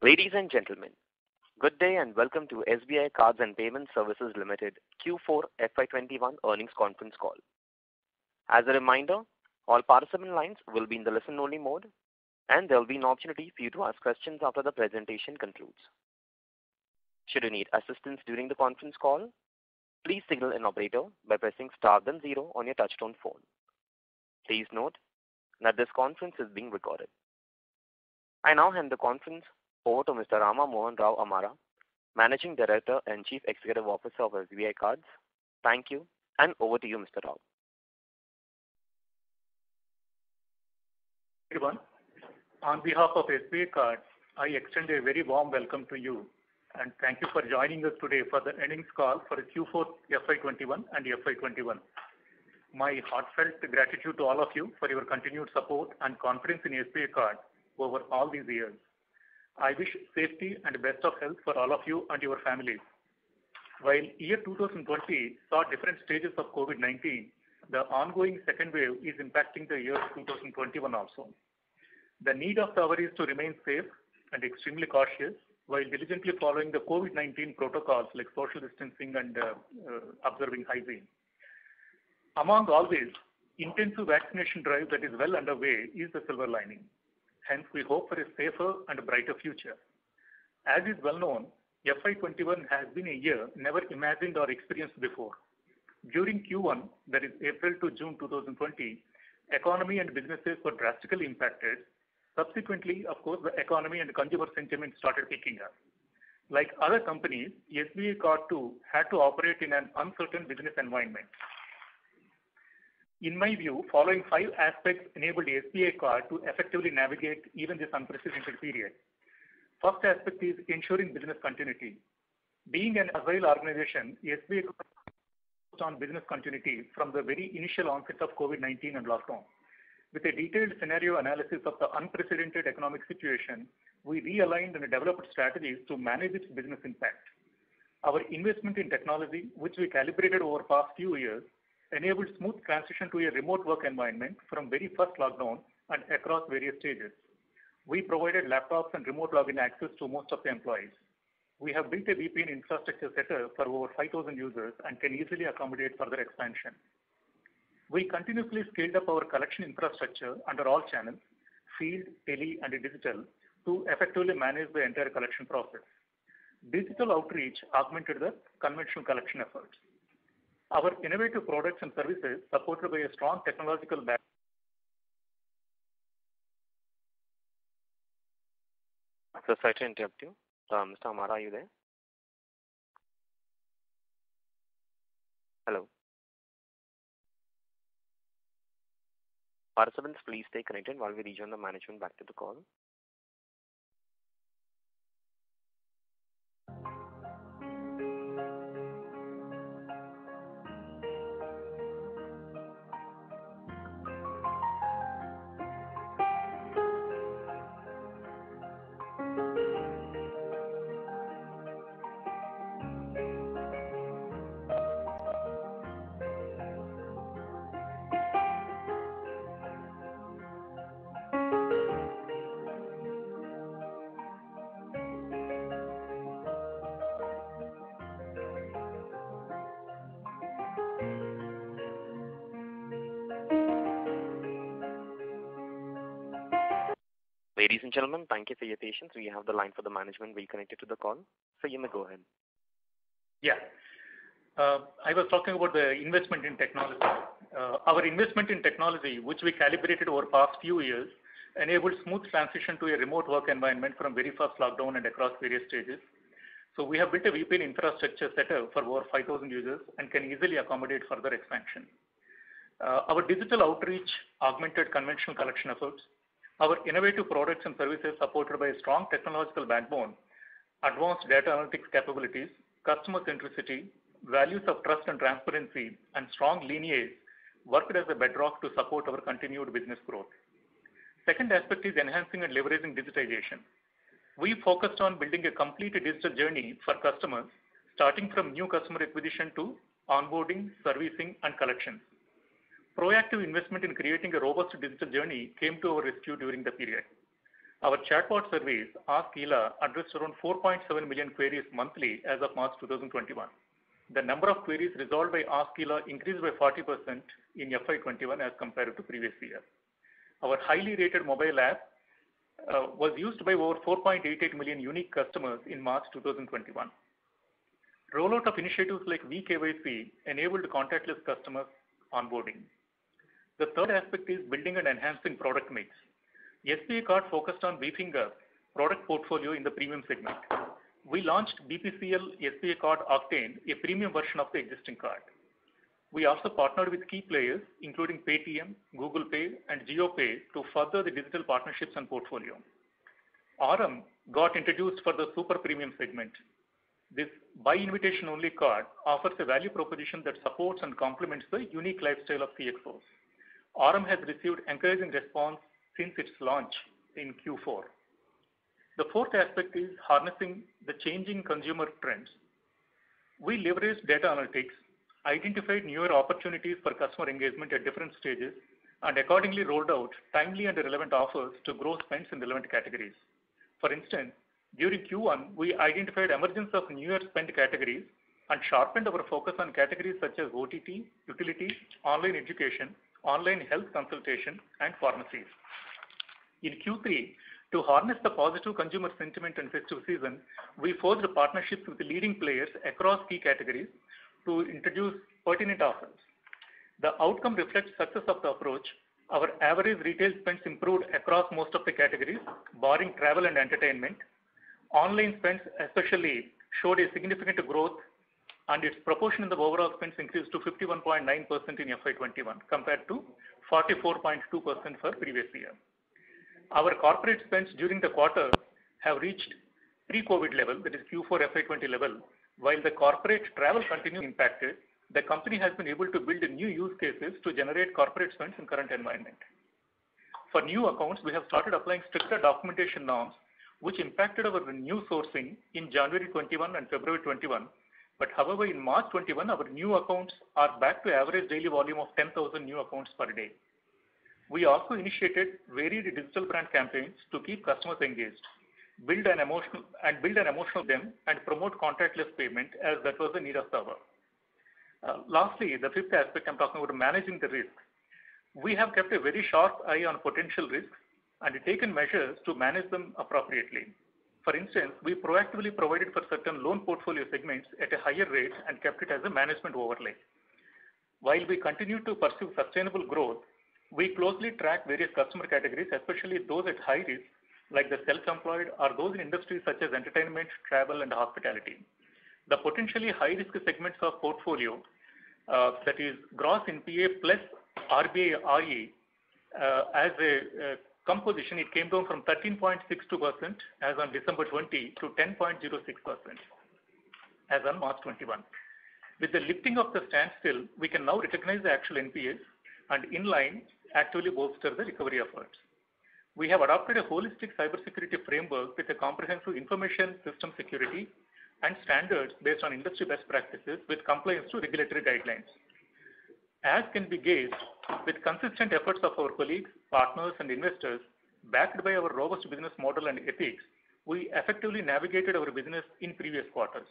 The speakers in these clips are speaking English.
Ladies and gentlemen, good day and welcome to SBI Cards and Payment Services Limited Q4 FY 2021 earnings conference call. As a reminder, all participant lines will be in the listen-only mode, and there will be an opportunity for you to ask questions after the presentation concludes. Should you need assistance during the conference call, please signal an operator by pressing star then zero on your touchtone phone. Please note that this conference is being recorded. I now hand the conference over to Mr. Rama Mohan Amara, Managing Director and Chief Executive Officer of SBI Cards. Thank you, and over to you, Mr. Rao. Everyone, on behalf of SBI Card, I extend a very warm welcome to you, and thank you for joining us today for the earnings call for Q4 FY 2021 and FY 2021. My heartfelt gratitude to all of you for your continued support and confidence in SBI Card over all these years. I wish safety and best of health for all of you and your families. While year 2020 saw different stages of COVID-19, the ongoing second wave is impacting the year 2021 also. The need of the hour is to remain safe and extremely cautious while diligently following the COVID-19 protocols like social distancing and observing hygiene. Among all this, intensive vaccination drive that is well underway is the silver lining. We hope for a safer and brighter future. As is well known, FY 2021 has been a year never imagined or experienced before. During Q1, that is April to June 2020, economy and businesses were drastically impacted. Subsequently, of course, the economy and consumer sentiment started picking up. Like other companies, SBI Card too had to operate in an uncertain business environment. In my view, following five aspects enabled SBI Card to effectively navigate even this unprecedented period. First aspect is ensuring business continuity. Being an agile organization, SBI Card focused on business continuity from the very initial onset of COVID-19 and lockdown. With a detailed scenario analysis of the unprecedented economic situation, we realigned and developed strategies to manage its business impact. Our investment in technology, which we calibrated over the past few years, enabled smooth transition to a remote work environment from very first lockdown and across various stages. We provided laptops and remote login access to most of the employees. We have built a VPN infrastructure setup for over 5,000 users and can easily accommodate further expansion. We continuously scaled up our collection infrastructure under all channels, field, tele, and digital, to effectively manage the entire collection process. Digital outreach augmented the conventional collection efforts. Our innovative products and services, supported by a strong technological. Sorry to interrupt you. Mr. Amara, are you there? Hello? Participants, please stay connected while we rejoin the management back to the call. Ladies and gentlemen, thank you for your patience. We have the line for the management reconnected to the call. Sir, you may go ahead. Yeah. I was talking about the investment in technology. Our investment in technology, which we calibrated over the past few years, enabled smooth transition to a remote work environment from very first lockdown and across various stages. We have built a VPN infrastructure setup for over 5,000 users and can easily accommodate further expansion. Our digital outreach augmented conventional collection efforts. Our innovative products and services, supported by a strong technological backbone, advanced data analytics capabilities, customer centricity, values of trust and transparency, and strong lineage, worked as a bedrock to support our continued business growth. Second aspect is enhancing and leveraging digitization. We focused on building a complete digital journey for customers, starting from new customer acquisition to onboarding, servicing, and collections. Proactive investment in creating a robust digital journey came to our rescue during the period. Our chatbot service, ILA, addressed around 4.7 million queries monthly as of March 2021. The number of queries resolved by ILA increased by 40% in FY 2021 as compared to previous year. Our highly rated mobile app was used by over 4.8 million unique customers in March 2021. Rollout of initiatives like vKYC enabled contactless customer onboarding. The third aspect is building and enhancing product mix. SBI Card focused on beefing up product portfolio in the premium segment. We launched BPCL SBI Card OCTANE, a premium version of the existing card. We also partnered with key players including Paytm, Google Pay, and JioPay to further the digital partnerships and portfolio. AURUM got introduced for the super premium segment. This by invitation only card offers a value proposition that supports and complements the unique lifestyle of the affluent. AURUM has received encouraging response since its launch in Q4. The fourth aspect is harnessing the changing consumer trends. We leverage data analytics, identify newer opportunities for customer engagement at different stages, and accordingly rolled out timely and relevant offers to grow spends in relevant categories. For instance, during Q1, we identified emergence of newer spend categories and sharpened our focus on categories such as OTT, utilities, online education, online health consultation, and pharmacies. In Q3, to harness the positive consumer sentiment and festive season, we forged partnerships with the leading players across key categories to introduce pertinent offers. The outcome reflects success of the approach. Our average retail spends improved across most of the categories, barring travel and entertainment. Online spends especially showed a significant growth, and its proportion of overall spends increased to 51.9% in FY 2021 compared to 44.2% for previous year. Our corporate spends during the quarter have reached pre-COVID level, that is Q4 FY 2020 level. While the corporate travel continue impacted, the company has been able to build new use cases to generate corporate spends in current environment. For new accounts, we have started applying stricter documentation norms, which impacted our new sourcing in January 2021 and February 2021. However, in March 2021, our new accounts are back to average daily volume of 10,000 new accounts per day. We also initiated varied digital brand campaigns to keep customers engaged, and build an emotion of them and promote contactless payment as that was the need of the hour. Lastly, the fifth aspect I'm talking about, managing the risk. We have kept a very sharp eye on potential risks and taken measures to manage them appropriately. For instance, we proactively provided for certain loan portfolio segments at a higher rate and kept it as a management overlay. While we continue to pursue sustainable growth, we closely track various customer categories, especially those at high risk, like the self-employed or those in industries such as entertainment, travel, and hospitality. The potentially high-risk segments of portfolio, that is gross NPA plus RBI RE as a composition, it came down from 13.62% as on December 2020 to 10.06% as on March 2021. With the lifting of the standstill, we can now recognize the actual NPAs and in line actually bolster the recovery efforts. We have adopted a holistic cybersecurity framework with a comprehensive information system security and standards based on industry best practices with compliance to regulatory guidelines. As can be gauged, with consistent efforts of our colleagues, partners, and investors, backed by our robust business model and ethics, we effectively navigated our business in previous quarters.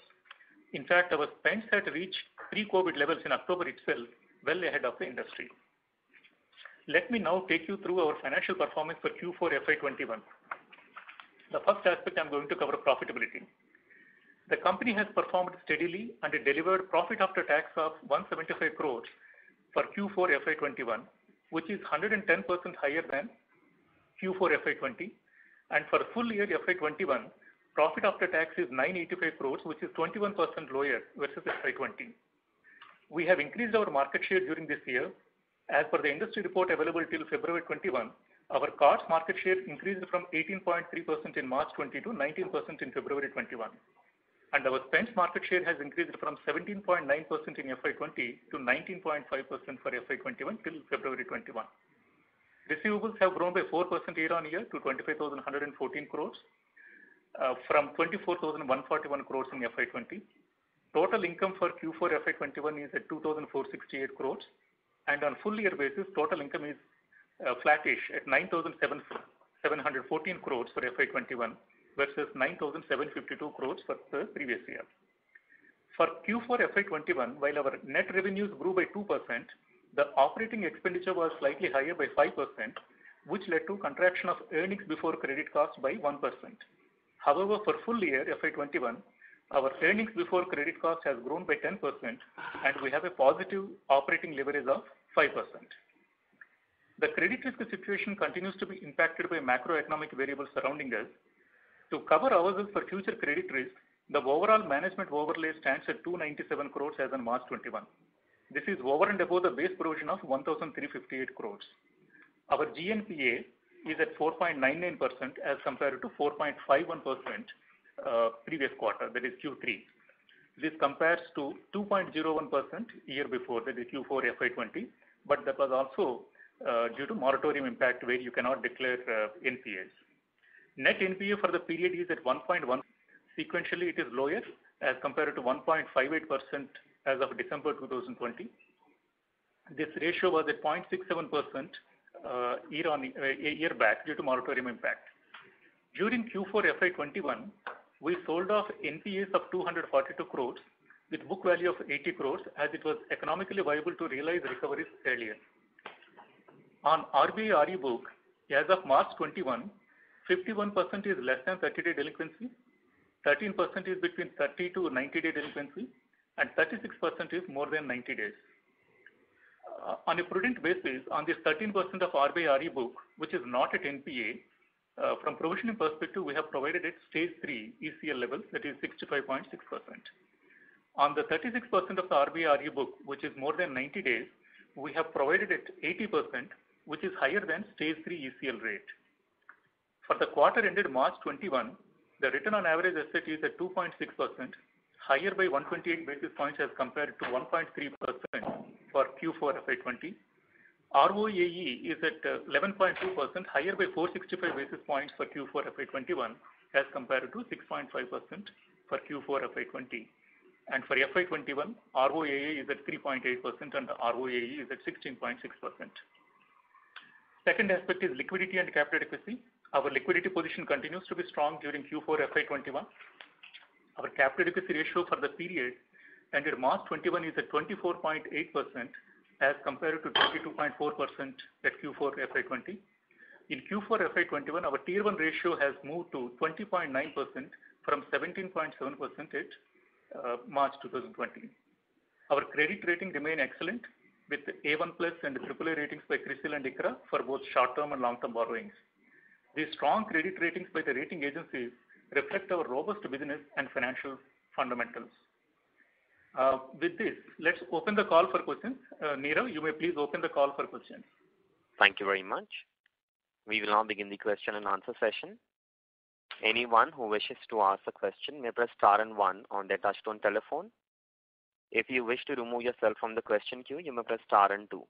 In fact, our spends had reached pre-COVID levels in October itself, well ahead of the industry. Let me now take you through our financial performance for Q4 FY 2021. The first aspect I'm going to cover, profitability. The company has performed steadily and it delivered profit after tax of 175 crore for Q4 FY 2021, which is 110% higher than Q4 FY 2020. For full year FY 2021, profit after tax is 985 crore, which is 21% lower versus FY 2020. We have increased our market share during this year. As per the industry report available till February 2021, our cards market share increased from 18.3% in March 2020 to 19% in February 2021. Our spends market share has increased from 17.9% in FY 2020 to 19.5% for FY 2021 till February 2021. Receivables have grown by 4% year-on-year to 25,114 crores, from 24,141 crores in FY 2020. Total income for Q4 FY 2021 is at 2,468 crores, and on full year basis, total income is flattish at 9,714 crores for FY 2021 versus 9,752 crores for the previous year. For Q4 FY 2021, while our net revenues grew by 2%, the operating expenditure was slightly higher by 5%, which led to contraction of earnings before credit costs by 1%. However, for full year FY 2021, our earnings before credit cost has grown by 10%, and we have a positive operating leverage of 5%. The credit risk situation continues to be impacted by macroeconomic variables surrounding us. To cover ourselves for future credit risk, the overall management overlay stands at 297 crores as of March 2021. This is over and above the base provision of 1,358 crore. Our GNPA is at 4.99% as compared to 4.51% previous quarter, that is Q3. That compares to 2.01% year before, that is Q4 FY 2020, but that was also due to moratorium impact where you cannot declare NPAs. Net NPA for the period is at 1.1%. Sequentially, it is lower as compared to 1.58% as of December 2020. This ratio was at 0.67% a year back due to moratorium impact. During Q4 FY 2021, we sold off NPAs of 242 crore with book value of 80 crore as it was economically viable to realize recoveries earlier. On RBI RE book, as of March 2021, 51% is less than 30-day delinquency, 13% is between 30 to 90-day delinquency, and 36% is more than 90 days. On a prudent basis, on this 13% of RBI RE book, which is not at NPA, from provisioning perspective, we have provided at Stage 3 ECL level, that is 65.6%. On the 36% of the RBI RE book which is more than 90 days, we have provided at 80%, which is higher than Stage 3 ECL rate. For the quarter ended March 2021, the return on average asset is at 2.6%, higher by 128 basis points as compared to 1.3% for Q4 FY 2020. ROAE is at 11.2%, higher by 465 basis points for Q4 FY 2021 as compared to 6.5% for Q4 FY 2020. For FY 2021, ROAA is at 3.8% and ROAE is at 16.6%. Second aspect is liquidity and capital adequacy. Our liquidity position continues to be strong during Q4 FY 2021. Our capital adequacy ratio for the period ended March 2021 is at 24.8%, as compared to 22.4% at Q4 FY 2020. In Q4 FY 2021, our Tier 1 ratio has moved to 20.9% from 17.7% at March 2020. Our credit rating remain excellent with A1+ and AAA ratings by CRISIL and ICRA for both short-term and long-term borrowings. The strong credit ratings by the rating agencies reflect our robust business and financial fundamentals. With this, let's open the call for questions. Neeraj, you may please open the call for questions. Thank you very much. We will now begin the question-and-answer session. Anyone who wishes to ask a question may press star and one on their touchtone telephone. If you wish to remove yourself from the question queue, you may press star and two.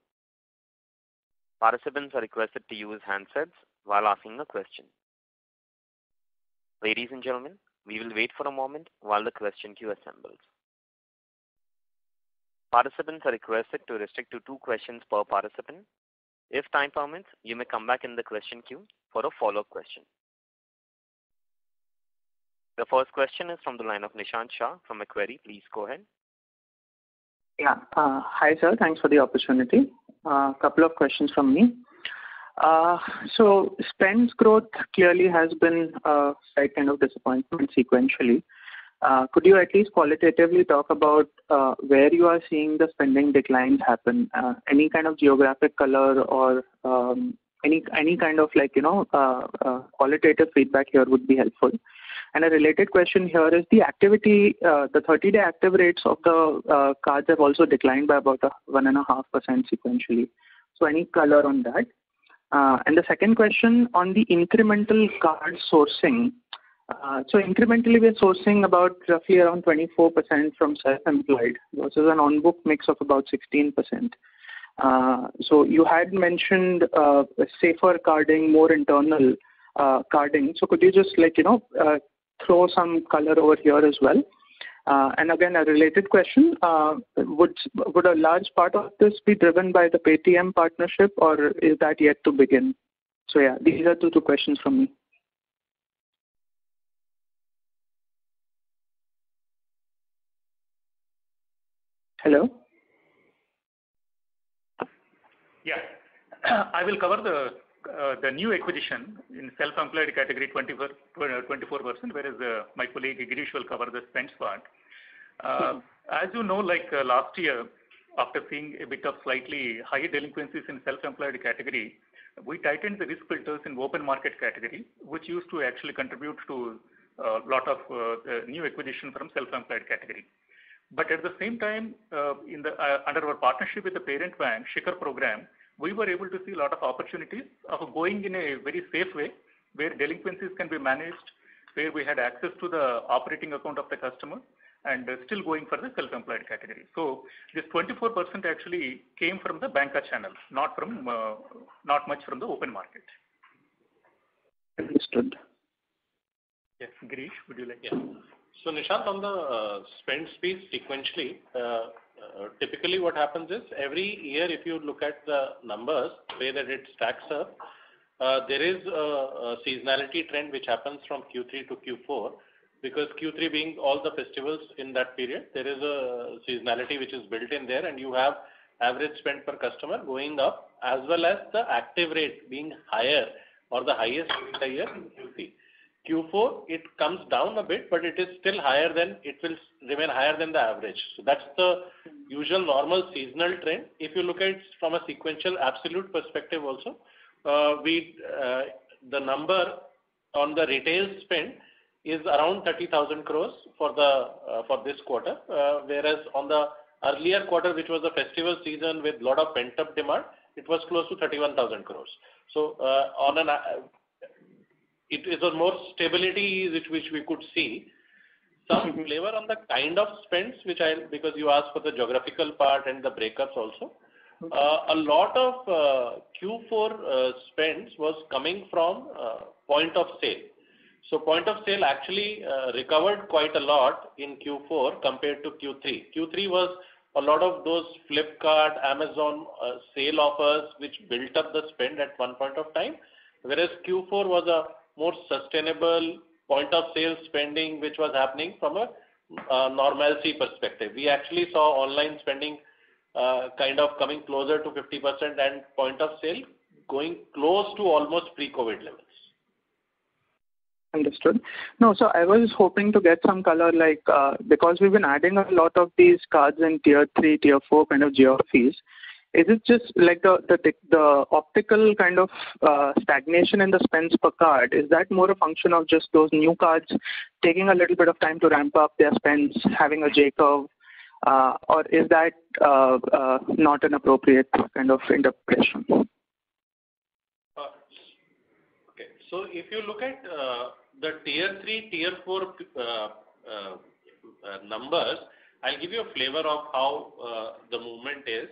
Participants are requested to use handsets while asking a question. Ladies and gentlemen, we will wait for a moment while the question queue assembles. Participants are requested to restrict to two questions per participant. If time permits, you may come back in the question queue for a follow-up question. The first question is from the line of Nishant Shah from Macquarie. Please go ahead. Yeah. Hi, sir. Thanks for the opportunity. Couple of questions from me. Spends growth clearly has been a slight kind of disappointment sequentially. Could you at least qualitatively talk about where you are seeing the spending declines happen? Any kind of geographic color or any kind of qualitative feedback here would be helpful. A related question here is the activity, the 30-day active rates of the cards have also declined by about 1.5% sequentially. Any color on that? The second question on the incremental card sourcing. Incrementally, we are sourcing about roughly around 24% from self-employed, versus an on-book mix of about 16%. You had mentioned safer carding, more internal carding. Could you just throw some color over here as well? Again, a related question, would a large part of this be driven by the Paytm partnership, or is that yet to begin? Yeah, these are two questions from me. Hello? Yeah. I will cover the new acquisition in self-employed category, 24%, whereas my colleague, Girish, will cover the spends part. As you know, last year, after seeing a bit of slightly high delinquencies in self-employed category, we tightened the risk filters in open market category, which used to actually contribute to a lot of new acquisition from self-employed category. At the same time, under our partnership with the parent bank, Shikhar program, we were able to see a lot of opportunities of going in a very safe way, where delinquencies can be managed, where we had access to the operating account of the customer and still going for the self-employed category. This 24% actually came from the banker channel, not much from the open market. Understood. Yes. Girish, would you like? Yeah. Nishant, on the spends piece sequentially, typically what happens is every year, if you look at the numbers, the way that it stacks up, there is a seasonality trend which happens from Q3 to Q4 because Q3 being all the festivals in that period, there is a seasonality which is built in there and you have average spend per customer going up as well as the active rate being higher or the highest rate a year in Q3. Q4, it comes down a bit, but it will remain higher than the average. That's the usual normal seasonal trend. If you look at from a sequential absolute perspective also, the number on the retail spend is around 30,000 crores for this quarter. Whereas on the earlier quarter, which was the festival season with lot of pent-up demand, it was close to 31,000 crores. It is the more stability which we could see. Some flavor on the kind of spends, because you asked for the geographical part and the breakups also. Okay. A lot of Q4 spends was coming from point of sale. Point of sale actually recovered quite a lot in Q4 compared to Q3. Q3 was a lot of those Flipkart, Amazon sale offers, which built up the spend at one point of time. Whereas Q4 was a more sustainable point of sale spending, which was happening from a normalcy perspective. We actually saw online spending kind of coming closer to 50% and point of sale going close to almost pre-COVID levels. Understood. I was hoping to get some color because we've been adding a lot of these cards in tier 3, tier 4 kind of geographies. Is it just the optical kind of stagnation in the spends per card? Is that more a function of just those new cards taking a little bit of time to ramp up their spends, having a J curve? Or is that not an appropriate kind of interpretation? If you look at the tier 3, tier 4 numbers, I'll give you a flavor of how the movement is.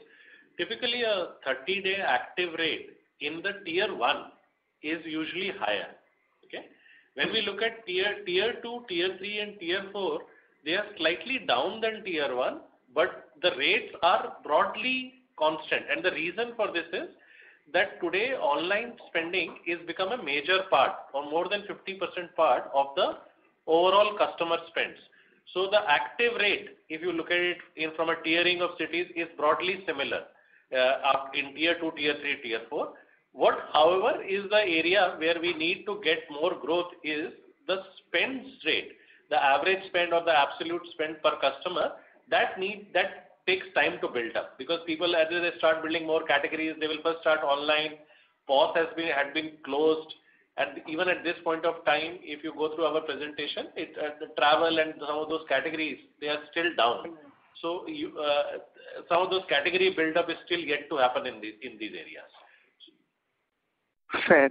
Typically, a 30-day active rate in tier 1 is usually higher. Okay? When we look at tier 2, tier 3, and tier 4, they are slightly down than tier 1, but the rates are broadly constant. The reason for this is that today, online spending has become a major part or more than 50% part of the overall customer spends. The active rate, if you look at it from a tiering of cities, is broadly similar in tier 2, tier 3, tier 4. What, however, is the area where we need to get more growth is the spends rate. The average spend or the absolute spend per customer, that takes time to build up because people, as they start building more categories, they will first start online. POS had been closed and even at this point of time, if you go through our presentation, the travel and some of those categories, they are still down. Some of those category buildup is still yet to happen in these areas. Fair.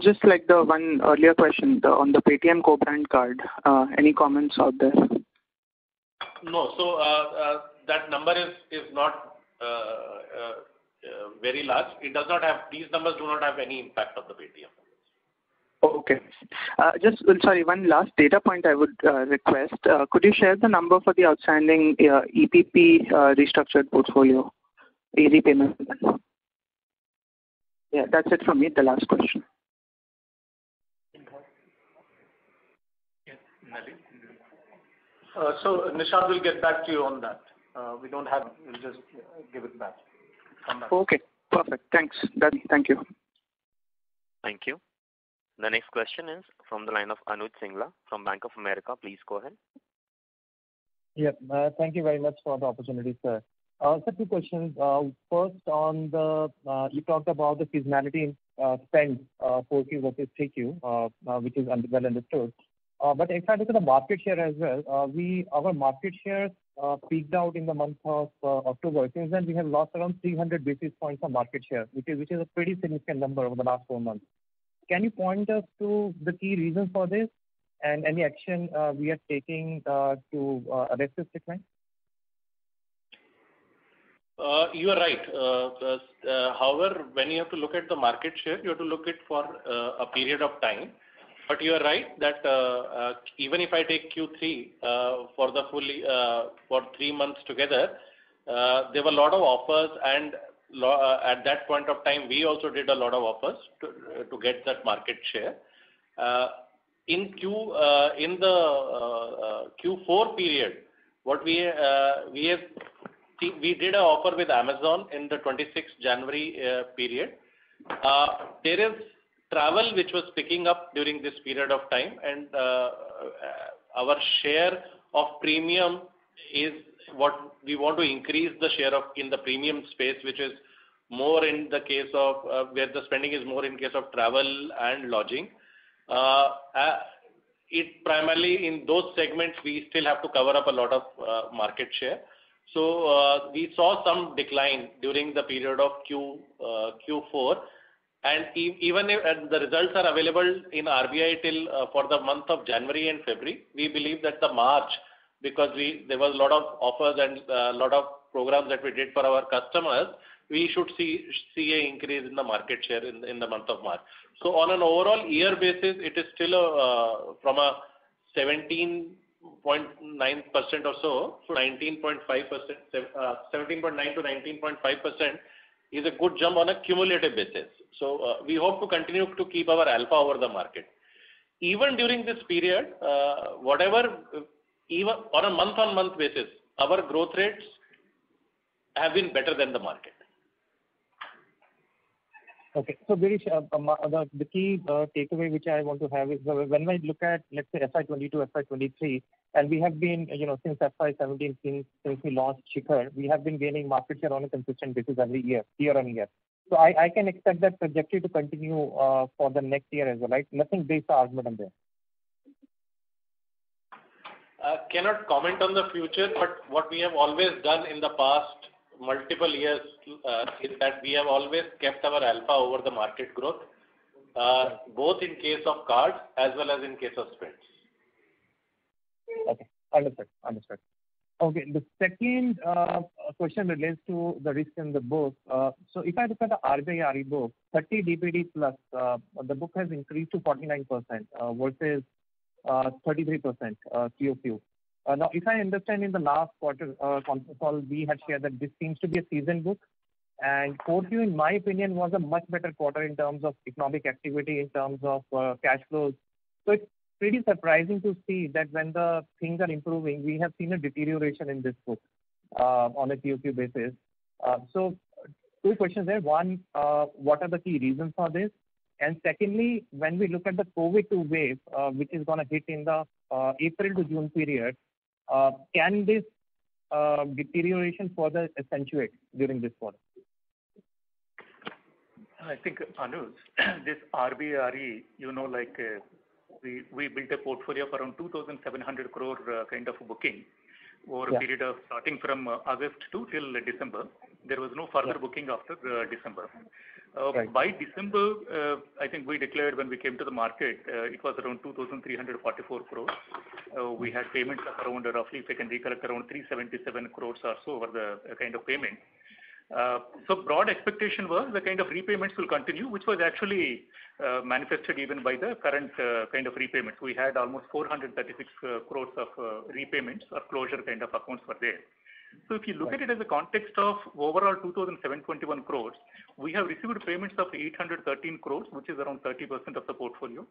Just like the one earlier question on the Paytm co-brand card, any comments out there? No. That number is not very large. These numbers do not have any impact of the Paytm. Okay. Sorry, one last data point I would request. Could you share the number for the outstanding EPP restructured portfolio, the repayment? Yeah, that's it from me. The last question. Nishant will get back to you on that. We don't have it. We'll just give it back. Okay, perfect. Thanks. Done. Thank you. Thank you. The next question is from the line of Anuj Singla from Bank of America. Please go ahead. Yeah. Thank you very much for the opportunity, sir. Sir, two questions. First, you talked about the seasonality in spend 4Q versus 3Q, which is well understood. If I look at the market share as well, our market share peaked out in the month of October. It seems like we have lost around 300 basis points on market share, which is a pretty significant number over the last four months. Can you point us to the key reasons for this and any action we are taking to arrest this decline? You are right. When you have to look at the market share, you have to look at it for a period of time. You are right that even if I take Q3 for three months together, there were a lot of offers and at that point of time, we also did a lot of offers to get that market share. In the Q4 period, we did an offer with Amazon in the 26th January period. There is travel which was picking up during this period of time and our share of premium is what we want to increase the share of in the premium space, where the spending is more in case of travel and lodging. Primarily in those segments, we still have to cover up a lot of market share. We saw some decline during the period of Q4 and the results are available in RBI till for the month of January and February. We believe that March, because there was a lot of offers and a lot of programs that we did for our customers, we should see an increase in the market share in the month of March. On an overall year basis, it is still from a 17.9% or so to 19.5%. 17.9%-19.5% is a good jump on a cumulative basis. We hope to continue to keep our alpha over the market. Even during this period, on a month-on-month basis, our growth rates have been better than the market. Girish, the key takeaway which I want to have is when I look at, let's say, FY 2022, FY 2023, and since FY 2017, since we launched Shikhar, we have been gaining market share on a consistent basis every year-on-year. I can expect that trajectory to continue for the next year as well, right? Nothing big to argue there. I cannot comment on the future, but what we have always done in the past multiple years is that we have always kept our alpha over the market growth, both in case of cards as well as in case of spends. Okay, understood. The second question relates to the risk in the book. If I look at the RBI RE book, 30 DPD plus, the book has increased to 49% versus 33% QOQ. If I understand in the last quarter conference call, we had shared that this seems to be a seasoned book, and Q4 in my opinion was a much better quarter in terms of economic activity, in terms of cash flows. It's pretty surprising to see that when things are improving, we have seen a deterioration in this book on a QOQ basis. Two questions there. One, what are the key reasons for this? Secondly, when we look at the COVID-2 wave, which is going to hit in the April to June period, can this deterioration further accentuate during this quarter? I think, Anuj, this RBI RE, we built a portfolio of around 2,700 crore kind of booking over a period of starting from August to till December. There was no further booking after December. Right. By December, I think we declared when we came to the market, it was around 2,344 crores. We had payments around, roughly if I can recollect, around 377 crores or so over the kind of payment. Broad expectation was the kind of repayments will continue, which was actually manifested even by the current kind of repayment. We had almost 436 crores of repayments of closure kind of accounts were there. If you look at it as a context of overall 2,721 crores, we have received payments of 813 crores, which is around 30% of the portfolio.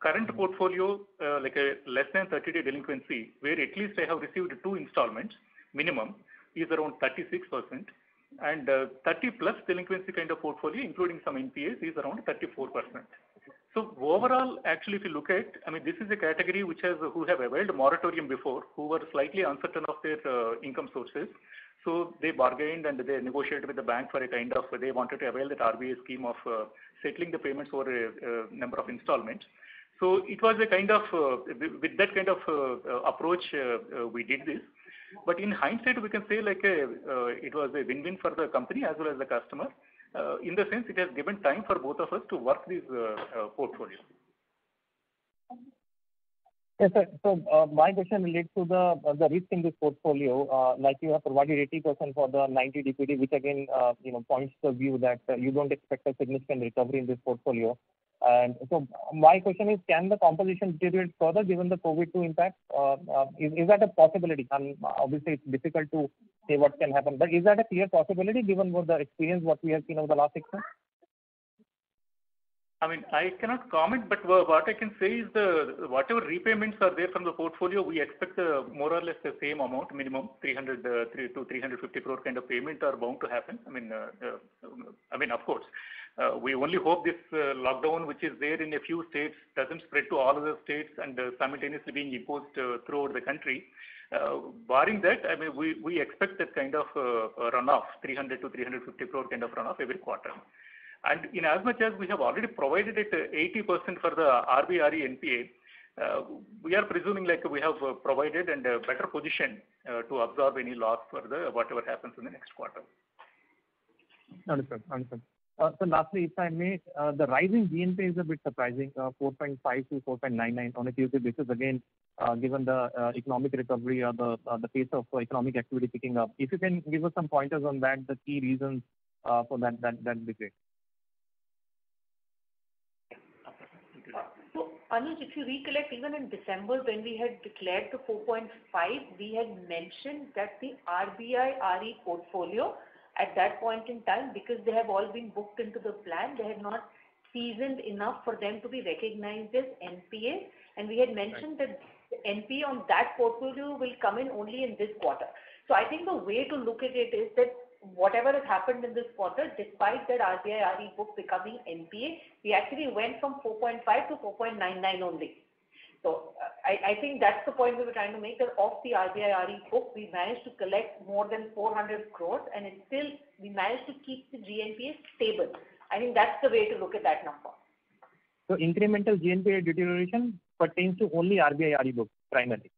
Current portfolio, like a less than 30-day delinquency, where at least they have received two installments minimum, is around 36%. 30+ delinquency kind of portfolio, including some NPAs, is around 34%. Overall, actually, if you look at, this is a category who have availed a moratorium before, who were slightly uncertain of their income sources. They bargained and they negotiated with the bank for a kind of, they wanted to avail that RBI scheme of settling the payments over a number of installments. With that kind of approach we did this. In hindsight, we can say it was a win-win for the company as well as the customer. In the sense, it has given time for both of us to work this portfolio. Yes, sir. My question relates to the risk in this portfolio. You have provided 80% for the 90 DPD, which again points to a view that you don't expect a significant recovery in this portfolio. My question is, can the composition deteriorate further given the COVID to impact? Is that a possibility? Obviously, it's difficult to say what can happen, is that a clear possibility given what the experience we have seen over the last six months? I cannot comment. What I can say is that whatever repayments are there from the portfolio, we expect more or less the same amount, minimum 300 crore-350 crore kind of payment are bound to happen. Of course. We only hope this lockdown which is there in a few states doesn't spread to all other states and simultaneously being imposed throughout the country. Barring that, we expect that kind of runoff, 300 crore-350 crore kind of runoff every quarter. In as much as we have already provided it 80% for the RBI RE NPA, we are presuming like we have provided and better positioned to absorb any loss for whatever happens in the next quarter. Understood. Sir, lastly, if I may, the rise in GNPA is a bit surprising, 4.5%-4.99% on a Q2 basis again, given the economic recovery or the pace of economic activity picking up. If you can give us some pointers on that, the key reasons for that'd be great. Anuj, if you recollect, even in December when we had declared the 4.5, we had mentioned that the RBI RE portfolio at that point in time because they have all been booked into the plan, they had not seasoned enough for them to be recognized as NPAs. We had mentioned that the NPA on that portfolio will come in only in this quarter. I think the way to look at it is that whatever has happened in this quarter despite that RBI RE book becoming NPA, we actually went from 4.5 to 4.99 only. I think that's the point we were trying to make there. Of the RBI RE book, we managed to collect more than 400 crores and still we managed to keep the GNPA stable. I think that's the way to look at that number. Incremental GNPA deterioration pertains to only RBI RE book primarily.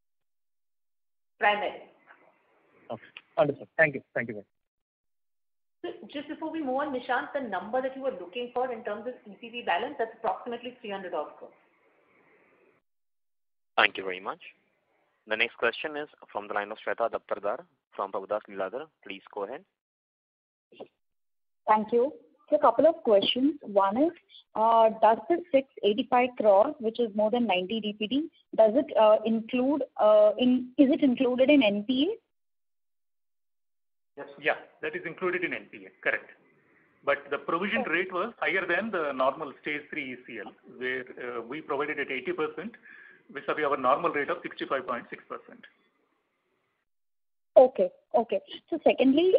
Primarily. Okay. Understood. Thank you. Sir, just before we move on, Nishant, the number that you were looking for in terms of EPP balance, that's approximately 300. Thank you very much. The next question is from the line of Shweta Daptardar from Prabhudas Lilladher. Please go ahead. Thank you. Sir, couple of questions. One is, does this 685 crore, which is more than 90 DPD, is it included in NPA? Yes. Yeah, that is included in NPA, correct. The provision rate was higher than the normal stage 3 ECL, where we provided at 80% vis-à-vis our normal rate of 65.6%. Okay. Secondly,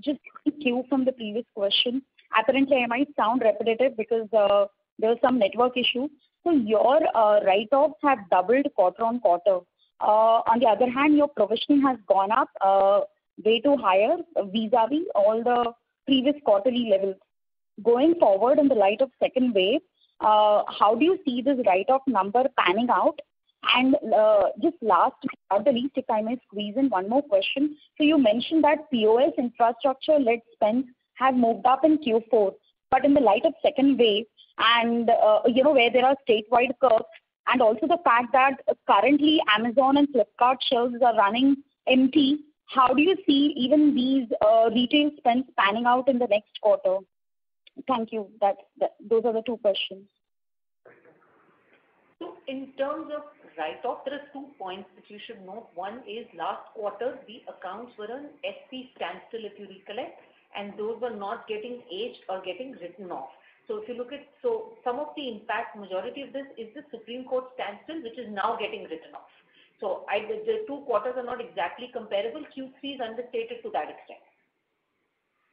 just to cue from the previous question. Apparently, I might sound repetitive because there was some network issue. Your write-offs have doubled quarter on quarter. On the other hand, your provisioning has gone up way too higher vis-à-vis all the previous quarterly levels. Going forward in the light of second wave, how do you see this write-off number panning out? Just last but not the least, if I may squeeze in one more question. You mentioned that POS infrastructure-led spend had moved up in Q4, but in the light of second wave and where there are statewide curves and also the fact that currently Amazon and Flipkart shelves are running empty, how do you see even these retail spends panning out in the next quarter? Thank you. Those are the two questions. In terms of write-off, there is two points that you should note. One is last quarter, the accounts were on Supreme Court standstill, if you recollect, and those were not getting aged or getting written off. Some of the impact, majority of this is the Supreme Court standstill, which is now getting written off. The two quarters are not exactly comparable. Q3 is understated to that extent.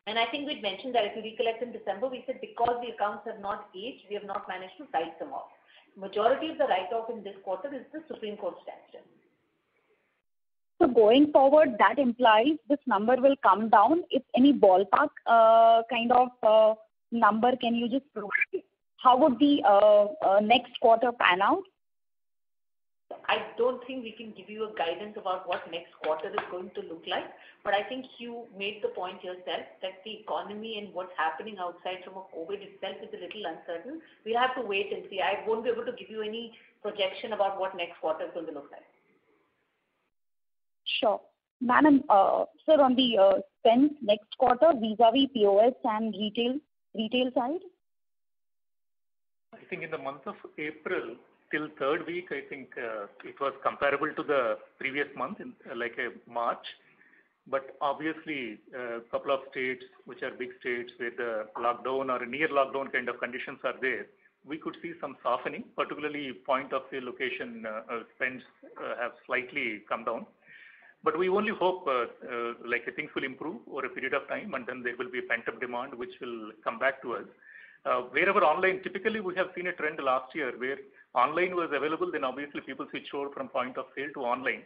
I think we'd mentioned that if you recollect in December, we said because the accounts have not aged, we have not managed to write them off. Majority of the write-off in this quarter is the Supreme Court standstill. Going forward, that implies this number will come down. If any ballpark kind of number, can you just provide? How would the next quarter pan out? I don't think we can give you a guidance about what next quarter is going to look like. I think you made the point yourself that the economy and what's happening outside from COVID itself is a little uncertain. We have to wait and see. I won't be able to give you any projection about what next quarter is going to look like. Sure. Sir, on the spend next quarter vis-a-vis POS and retail side? I think in the month of April, till third week, I think it was comparable to the previous month, like March. Obviously, a couple of states, which are big states with a lockdown or a near lockdown kind of conditions are there, we could see some softening, particularly point-of-sale location spends have slightly come down. We only hope things will improve over a period of time, and then there will be a pent-up demand, which will come back to us. Wherever online, typically, we have seen a trend last year where online was available, then obviously people switched over from point-of-sale to online.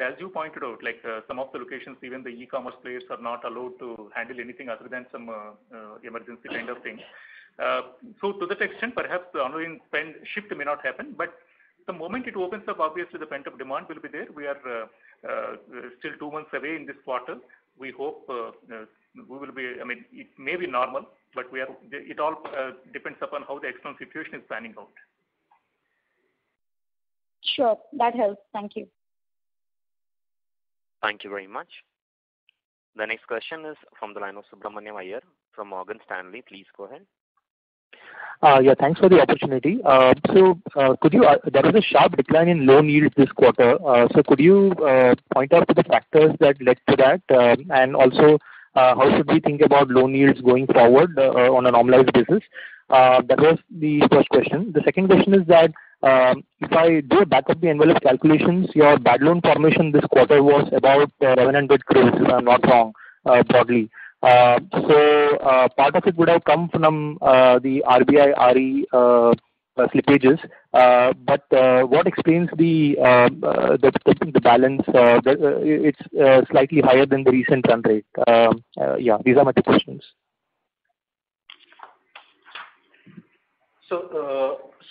As you pointed out, some of the locations, even the e-commerce players are not allowed to handle anything other than some emergency kind of things. To that extent, perhaps the ongoing spend shift may not happen, but the moment it opens up, obviously the pent-up demand will be there. We are still two months away in this quarter. It may be normal, but it all depends upon how the external situation is panning out. Sure. That helps. Thank you. Thank you very much. The next question is from the line of Subramanian Iyer from Morgan Stanley. Please go ahead. Yeah, thanks for the opportunity. There was a sharp decline in low yields this quarter. Could you point out to the factors that led to that? Also, how should we think about low yields going forward on a normalized basis? That was the first question. The second question is that if I do a back-of-the-envelope calculations, your bad loan formation this quarter was about 1,100 crores, if I'm not wrong, probably. Part of it would have come from the RBI-RE slippages. What explains the balance? It's slightly higher than the recent run rate. Yeah, these are my two questions.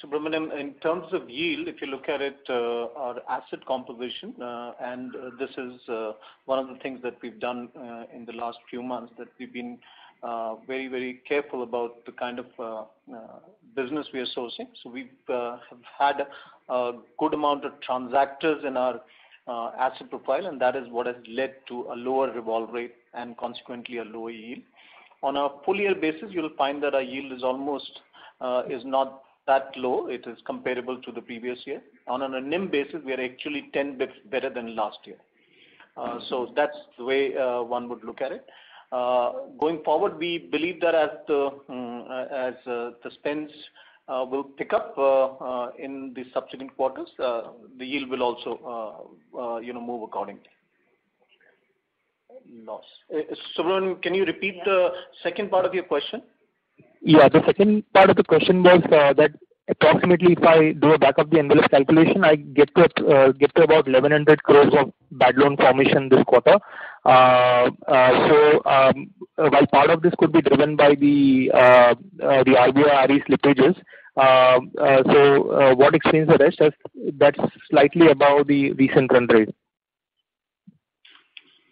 Subramanian, in terms of yield, if you look at it, our asset composition, and this is one of the things that we've done in the last few months, that we've been very careful about the kind of business we are sourcing. We've had a good amount of transactors in our asset profile, and that is what has led to a lower revolve rate and consequently a lower yield. On a full year basis, you'll find that our yield is not that low. It is comparable to the previous year. On a NIM basis, we are actually 10 basis points better than last year. That's the way one would look at it. Going forward, we believe that as the spends will pick up in the subsequent quarters, the yield will also move accordingly. Subramanian, can you repeat the second part of your question? Yeah. The second part of the question was that approximately if I do a back-of-the-envelope calculation, I get to about 1,100 crores of bad loan formation this quarter. While part of this could be driven by the RBI-RE slippages, so what explains the rest as that's slightly above the recent run rate?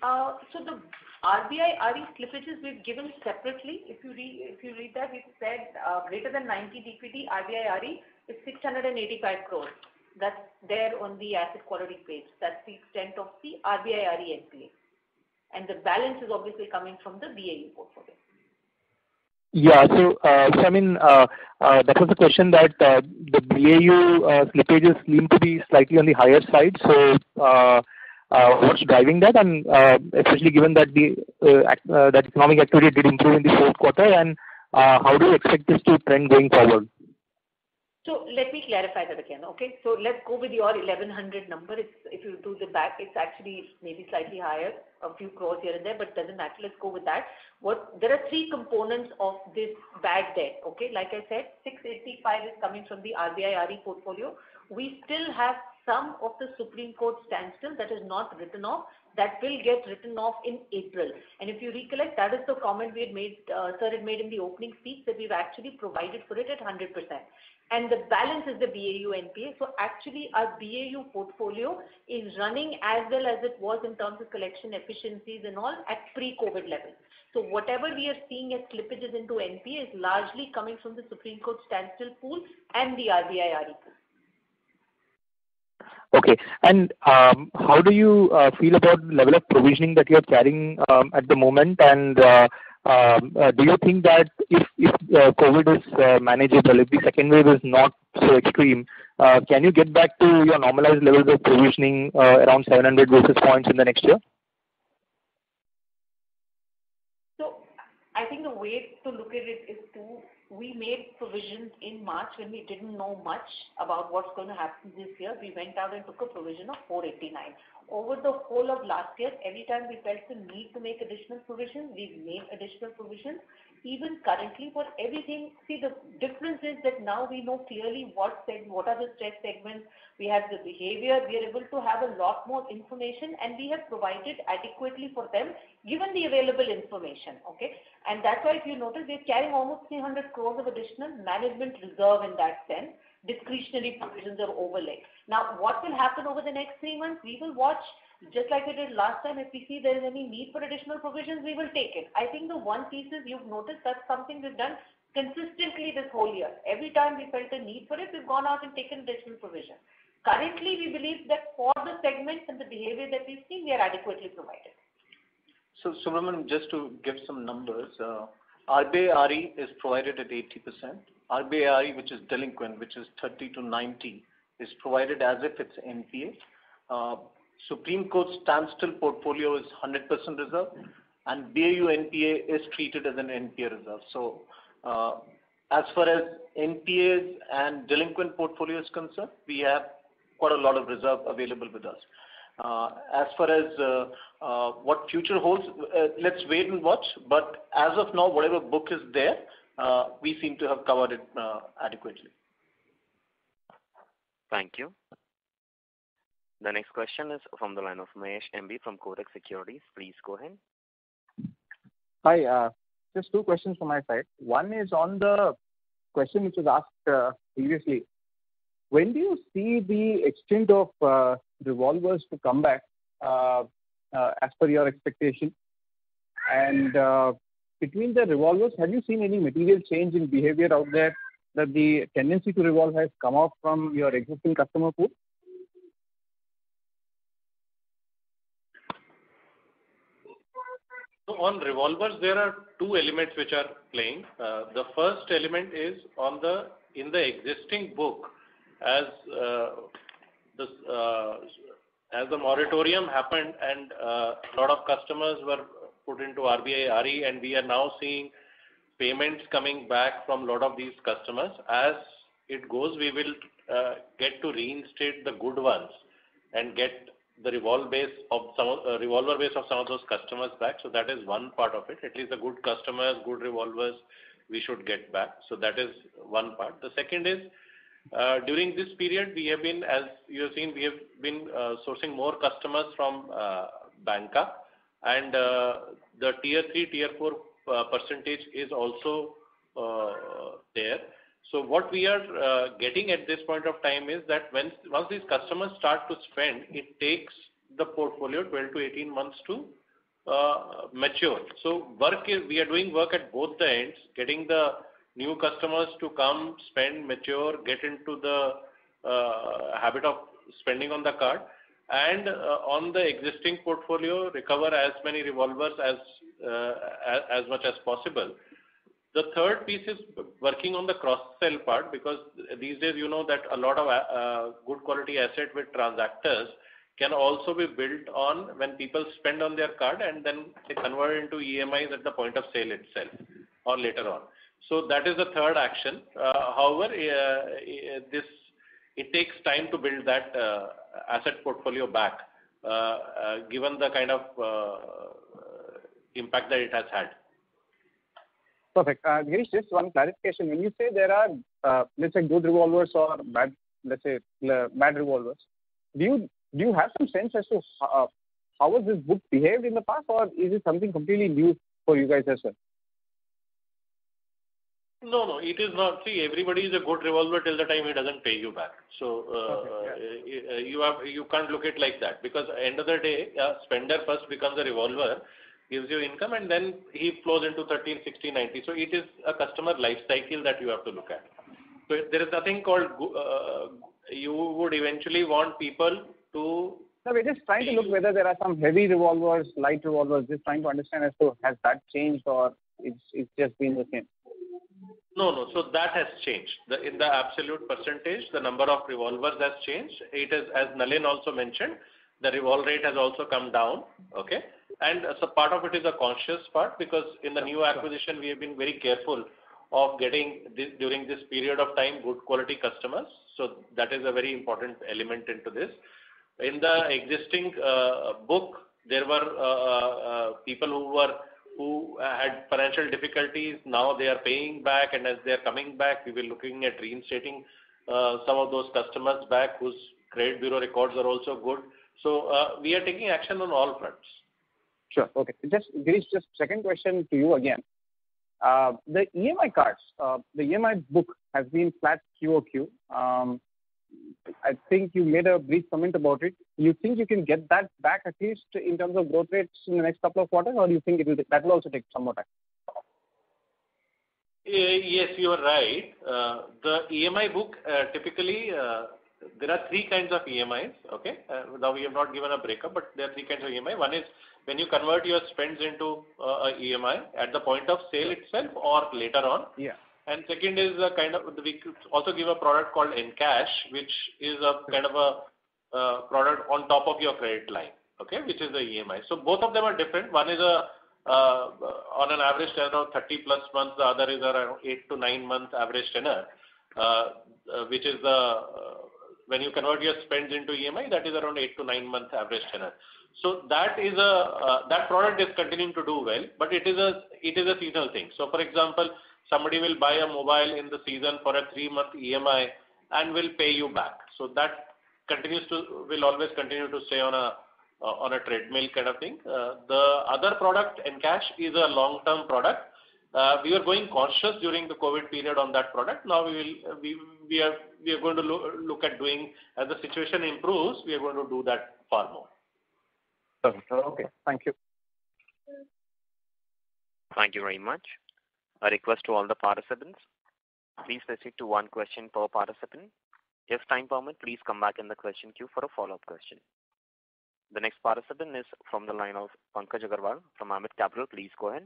The RBI RE slippages we've given separately. If you read that, we've said greater than 90 DPD RBI RE is 685 crores. That's there on the asset quality page. That's the extent of the RBI RE NPA. The balance is obviously coming from the BAU portfolio. Yeah. I mean, that was the question that the BAU slippages seem to be slightly on the higher side. What's driving that? Especially given that economic activity did improve in the fourth quarter, and how do you expect this to trend going forward? Let me clarify that again. Okay? Let's go with your 1,100 number. If you do the back, it's actually maybe slightly higher, a few crores here and there, but it doesn't matter. Let's go with that. There are three components of this bad debt. Okay? Like I said, 685 is coming from the RBI RE portfolio. We still have some of the Supreme Court standstill that is not written off, that will get written off in April. If you recollect, that is the comment sir had made in the opening speech, that we've actually provided for it at 100%. The balance is the BAU NPA. Actually, our BAU portfolio is running as well as it was in terms of collection efficiencies and all at pre-COVID levels. Whatever we are seeing as slippages into NPA is largely coming from the Supreme Court standstill pool and the RBI RE pool. Okay. How do you feel about the level of provisioning that you're carrying at the moment? Do you think that if COVID is manageable, if the second wave is not so extreme, can you get back to your normalized levels of provisioning around 700 basis points in the next year? I think the way to look at it is, we made provisions in March when we didn't know much about what's going to happen this year. We went out and took a provision of 489. Over the whole of last year, every time we felt the need to make additional provision, we've made additional provision. Even currently, for everything. See, the difference is that now we know clearly what are the stress segments. We have the behavior. We are able to have a lot more information, and we have provided adequately for them given the available information. Okay. That's why if you notice, we are carrying almost 300 crores of additional management reserve in that sense. Discretionary provisions are overlay. What will happen over the next three months, we will watch just like we did last time. If we see there is any need for additional provisions, we will take it. I think the one piece is you've noticed that's something we've done consistently this whole year. Every time we felt the need for it, we've gone out and taken additional provision. Currently, we believe that for the segments and the behavior that we've seen, we are adequately provided. Subramanian, just to give some numbers. RBI RE is provided at 80%. RBI RE, which is delinquent, which is 30 to 90, is provided as if it's NPA. Supreme Court standstill portfolio is 100% reserved. BAU NPA is treated as an NPA reserve. As far as NPAs and delinquent portfolio is concerned, we have quite a lot of reserve available with us. As far as what future holds, let's wait and watch. As of now, whatever book is there, we seem to have covered it adequately. Thank you. The next question is from the line of M. B. Mahesh from Kotak Securities. Please go ahead. Hi. Just two questions from my side. One is on the question which was asked previously. When do you see the extent of revolvers to come back, as per your expectation? Between the revolvers, have you seen any material change in behavior out there that the tendency to revolve has come up from your existing customer pool? On revolvers, there are two elements which are playing. The first element is in the existing book, as the moratorium happened and a lot of customers were put into RBI RE, and we are now seeing payments coming back from a lot of these customers. As it goes, we will get to reinstate the good ones and get the revolver base of some of those customers back. That is one part of it. At least the good customers, good revolvers we should get back. That is one part. The second is, during this period, as you have seen, we have been sourcing more customers from banca and the tier 3, tier 4 % is also there. What we are getting at this point of time is that once these customers start to spend, it takes the portfolio 12-18 months to mature. We are doing work at both the ends, getting the new customers to come, spend, mature, get into the habit of spending on the card and on the existing portfolio, recover as many revolvers as much as possible. The third piece is working on the cross-sell part because these days you know that a lot of good quality asset with transactors can also be built on when people spend on their card and then they convert into EMIs at the point of sale itself or later on. That is the third action. However, it takes time to build that asset portfolio back given the kind of impact that it has had. Perfect. Girish, just one clarification. When you say there are, let's say, good revolvers or, let's say, bad revolvers, do you have some sense as to how has this book behaved in the past, or is it something completely new for you guys as well? No, it is not. See, everybody is a good revolver till the time he doesn't pay you back. Okay. You can't look it like that because end of the day, a spender first becomes a revolver, gives you income, and then he flows into 30, 60, 90. It is a customer life cycle that you have to look at. No, we're just trying to look whether there are some heavy revolvers, light revolvers. Just trying to understand as to has that changed or it's just been the same. No. That has changed. In the absolute percentage, the number of revolvers has changed. It is as Nalin also mentioned, the revolve rate has also come down. Okay. Part of it is a conscious part because in the new acquisition, we have been very careful of getting, during this period of time, good quality customers. That is a very important element into this. In the existing book, there were people who had financial difficulties. Now they are paying back and as they're coming back, we'll be looking at reinstating some of those customers back whose credit bureau records are also good. We are taking action on all fronts. Sure. Okay. Girish, just second question to you again. The EMI cards, the EMI book has been flat QOQ. I think you made a brief comment about it. You think you can get that back, at least in terms of growth rates in the next couple of quarters, or do you think that will also take some more time? Yes, you are right. The EMI book, typically there are three kinds of EMIs. Okay? Now we have not given a breakup, but there are three kinds of EMI. One is when you convert your spends into a EMI at the point of sale itself or later on. Yeah. Second is we also give a product called Encash, which is a kind of a product on top of your credit line, okay, which is the EMI. Both of them are different. One is on an average tenure of 30+ months. The other is around eight- to nine-month average tenure. When you convert your spends into EMI, that is around eight- to nine-month average tenure. That product is continuing to do well, but it is a seasonal thing. For example, somebody will buy a mobile in the season for a three-month EMI and will pay you back. That will always continue to stay on a treadmill kind of thing. The other product, Encash, is a long-term product. We were going cautious during the COVID period on that product. Now, as the situation improves, we are going to do that far more. Okay. Thank you. Thank you very much. A request to all the participants. Please restrict to one question per participant. If time permits, please come back in the question queue for a follow-up question. The next participant is from the line of Pankaj Agarwal from Ambit Capital. Please go ahead.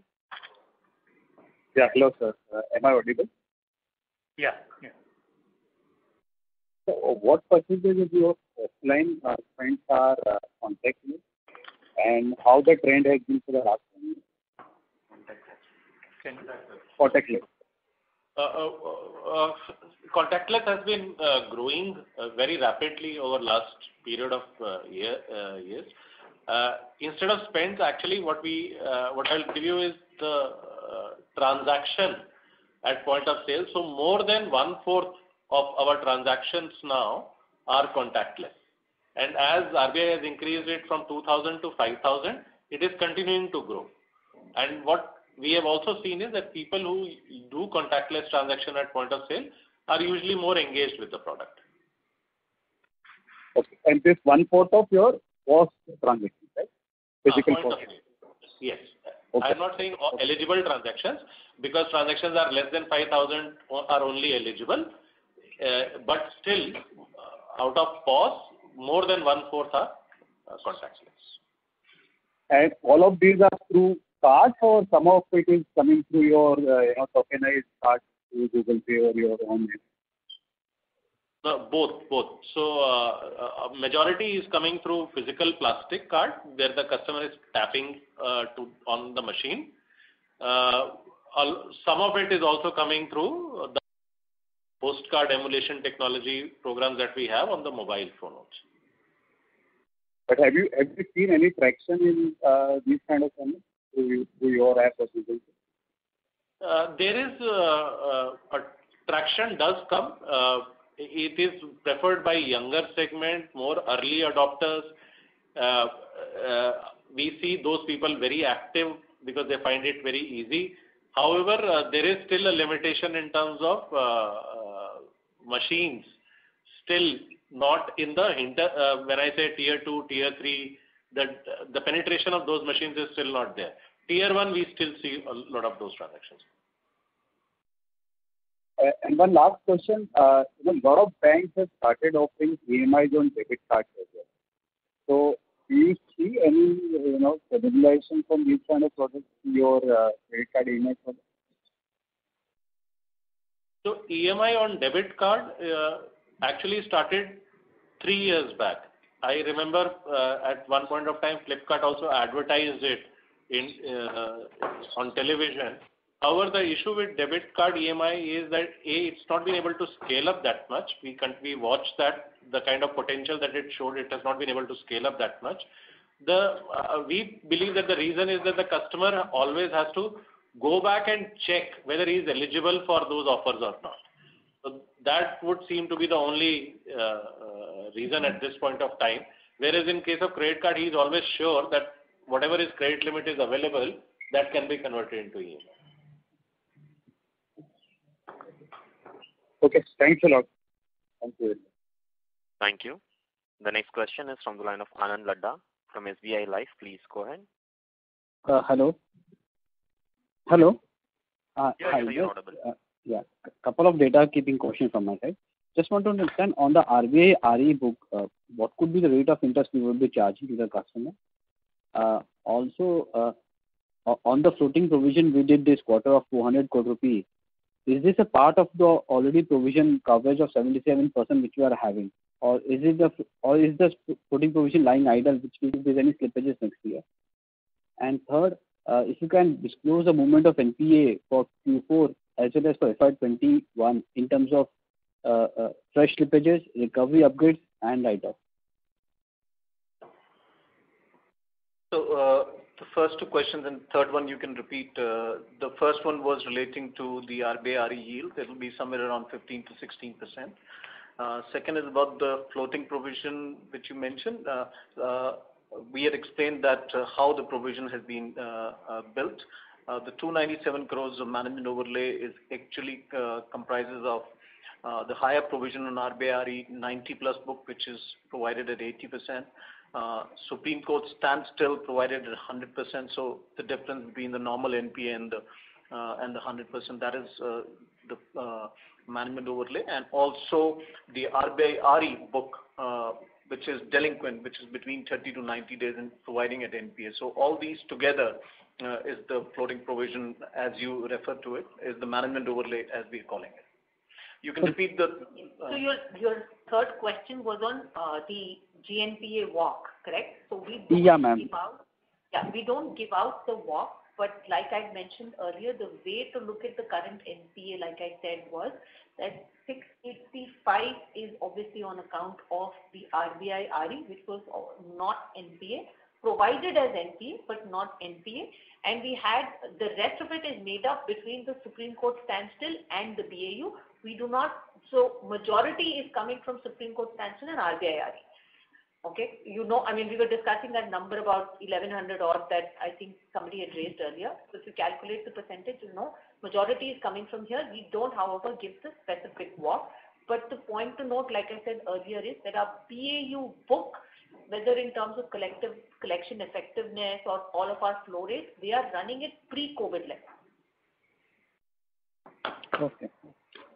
Hello, sir. Am I audible? Yeah. What percentage of your clients are contactless, and how the trend has been for the last few months? Contactless. Contactless. Contactless has been growing very rapidly over last period of years. Instead of spends, actually, what I'll give you is the transaction at point of sale. More than 1/4 of our transactions now are contactless. As RBI has increased it from 2,000 to 5,000, it is continuing to grow. What we have also seen is that people who do contactless transaction at point of sale are usually more engaged with the product. Okay. This 1/4 of your POS transactions, right? Of course. Yes. Okay. I'm not saying all eligible transactions, because transactions are less than 5,000 are only eligible. Still, out of POS, more than 1/4 are contactless. All of these are through cards or some of it is coming through your tokenized cards through Google Pay or your own app? Both. Majority is coming through physical plastic card, where the customer is tapping on the machine. Some of it is also coming through the postcard emulation technology programs that we have on the mobile phone also. Have you seen any traction in these kind of payments through your app or Google Pay? Traction does come. It is preferred by younger segment, more early adopters. We see those people very active because they find it very easy. There is still a limitation in terms of machines. When I say tier 2, tier 3, the penetration of those machines is still not there. Tier 1, we still see a lot of those transactions. One last question. A lot of banks have started offering EMIs on debit cards as well. Do you see any cannibalization from these kind of products to your credit card EMI product? EMI on debit card actually started three years back. I remember at one point of time, Flipkart also advertised it on television. However, the issue with debit card EMI is that, A, it's not been able to scale up that much. We watched that the kind of potential that it showed, it has not been able to scale up that much. We believe that the reason is that the customer always has to go back and check whether he's eligible for those offers or not. That would seem to be the only reason at this point of time. Whereas in case of credit card, he's always sure that whatever his credit limit is available, that can be converted into EMI. Okay. Thanks a lot. Thank you. Thank you. The next question is from the line of Ann Ladda from SBI Life. Please go ahead. Hello. Yes, sir. You're audible. Yeah. Couple of data-keeping questions from my side. Just want to understand on the RBI RE book, what could be the rate of interest you would be charging to the customer? On the floating provision you did this quarter of 200 crore rupees, is this a part of the already provision coverage of 77% which you are having? Is the floating provision lying idle which will give any slippages next year? Third, if you can disclose the movement of NPA for Q4 as well as for FY 2021 in terms of fresh slippages, recovery upgrades, and write-offs. The first two questions and third one you can repeat. The first one was relating to the RBI RE yield. It will be somewhere around 15%-16%. Second is about the floating provision which you mentioned. We had explained that how the provision has been built. The 297 crores of management overlay actually comprises of the higher provision on RBI RE 90+ book, which is provided at 80%. Supreme Court standstill provided at 100%. The difference between the normal NPA and the 100%, that is the management overlay. The RBI RE book, which is delinquent, which is between 30-90 days and providing at NPA. All these together is the floating provision, as you refer to it, is the management overlay, as we're calling it. Your third question was on the GNPA walk, correct? Yeah, ma'am. We don't give out the walk, but like I mentioned earlier, the way to look at the current NPA, like I said, was that 685 is obviously on account of the RBI RE, which was not NPA. Provided as NPA, but not NPA. The rest of it is made up between the Supreme Court standstill and the BAU. Majority is coming from Supreme Court standstill and RBI RE. Okay? We were discussing that number about 1,100 odd that I think somebody had raised earlier. If you calculate the percentage, you'll know majority is coming from here. We don't, however, give the specific walk. The point to note, like I said earlier, is that our BAU book, whether in terms of collection effectiveness or all of our flow rates, we are running it pre-COVID levels. Okay.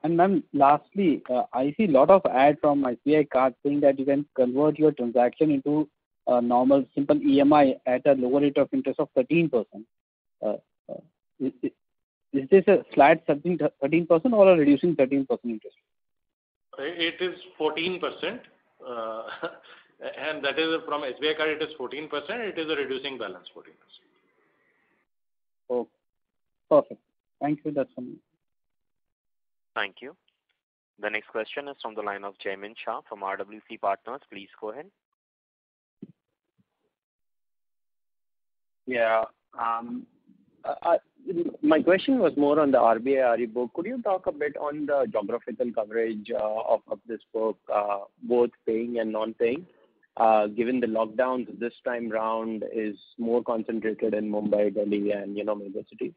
Ma'am, lastly, I see a lot of ads from SBI Card saying that you can convert your transaction into a normal simple EMI at a lower rate of interest of 13%. Is this a flat 13% or a reducing 13% interest? It is 14%. That is from SBI Card, it is 14%. It is a reducing balance 14%. Okay. Perfect. Thank you, that's all. Thank you. The next question is from the line of Jaimin Shah from RWC Partners. Please go ahead. Yeah. My question was more on the RBI RE book. Could you talk a bit on the geographical coverage of this book, both paying and non-paying, given the lockdowns this time around is more concentrated in Mumbai, Delhi, and metropolitan cities?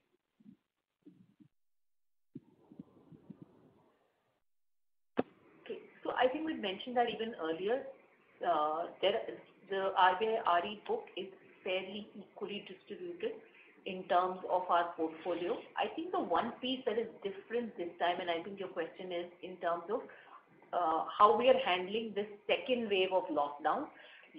I think we'd mentioned that even earlier. The RBI RE book is fairly equally distributed in terms of our portfolio. I think the one piece that is different this time, I think your question is in terms of how we are handling this second wave of lockdown.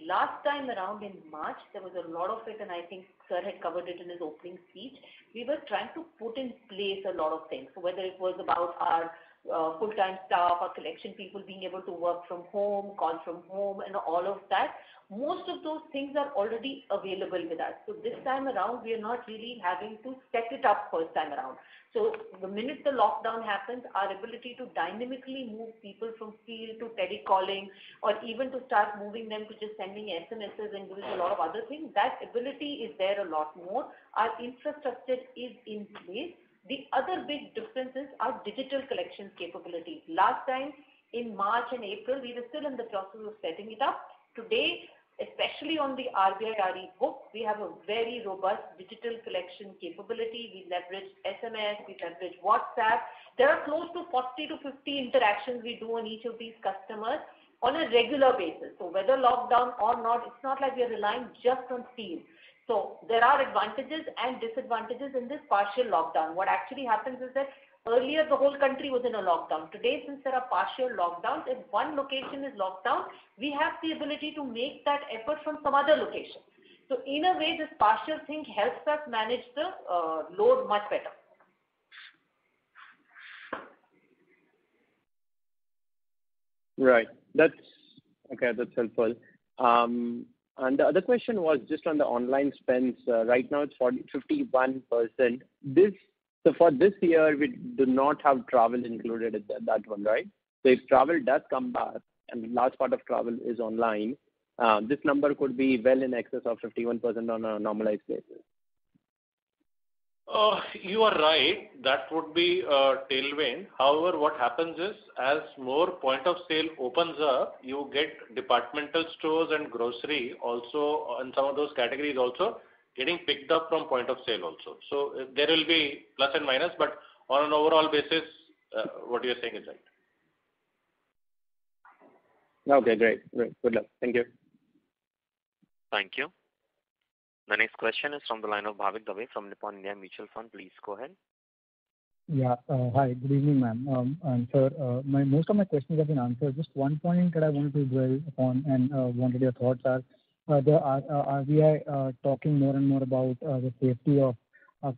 Last time around in March, there was a lot of it, I think sir had covered it in his opening speech. We were trying to put in place a lot of things, whether it was about our full-time staff, our collection people being able to work from home, call from home, all of that. Most of those things are already available with us. This time around, we are not really having to set it up first time around. The minute the lockdown happens, our ability to dynamically move people from field to telecalling, or even to start moving them to just sending SMSs and doing a lot of other things, that ability is there a lot more. Our infrastructure is in place. The other big difference is our digital collections capability. Last time in March and April, we were still in the process of setting it up. Today, especially on the RBI RE book, we have a very robust digital collection capability. We leverage SMS, we leverage WhatsApp. There are close to 40 to 50 interactions we do on each of these customers on a regular basis. Whether lockdown or not, it's not like we are relying just on field. There are advantages and disadvantages in this partial lockdown. What actually happens is that earlier the whole country was in a lockdown. Today, since there are partial lockdowns, if one location is locked down, we have the ability to make that effort from some other location. In a way, this partial thing helps us manage the load much better. Right. Okay, that's helpful. The other question was just on the online spends. Right now it's 51%. For this year, we do not have travel included at that one, right? If travel does come back and large part of travel is online, this number could be well in excess of 51% on a normalized basis. You are right. That would be a tailwind. What happens is as more point of sale opens up, you get departmental stores and grocery also, and some of those categories also getting picked up from point of sale also. There will be plus and minus, but on an overall basis, what you're saying is right. Okay, great. Good luck. Thank you. Thank you. The next question is from the line of Bhavik Dave from Nippon India Mutual Fund. Please go ahead. Yeah. Hi. Good evening, ma'am and sir. Most of my questions have been answered. Just one point that I wanted to dwell upon and wanted your thoughts are, the RBI talking more and more about the safety of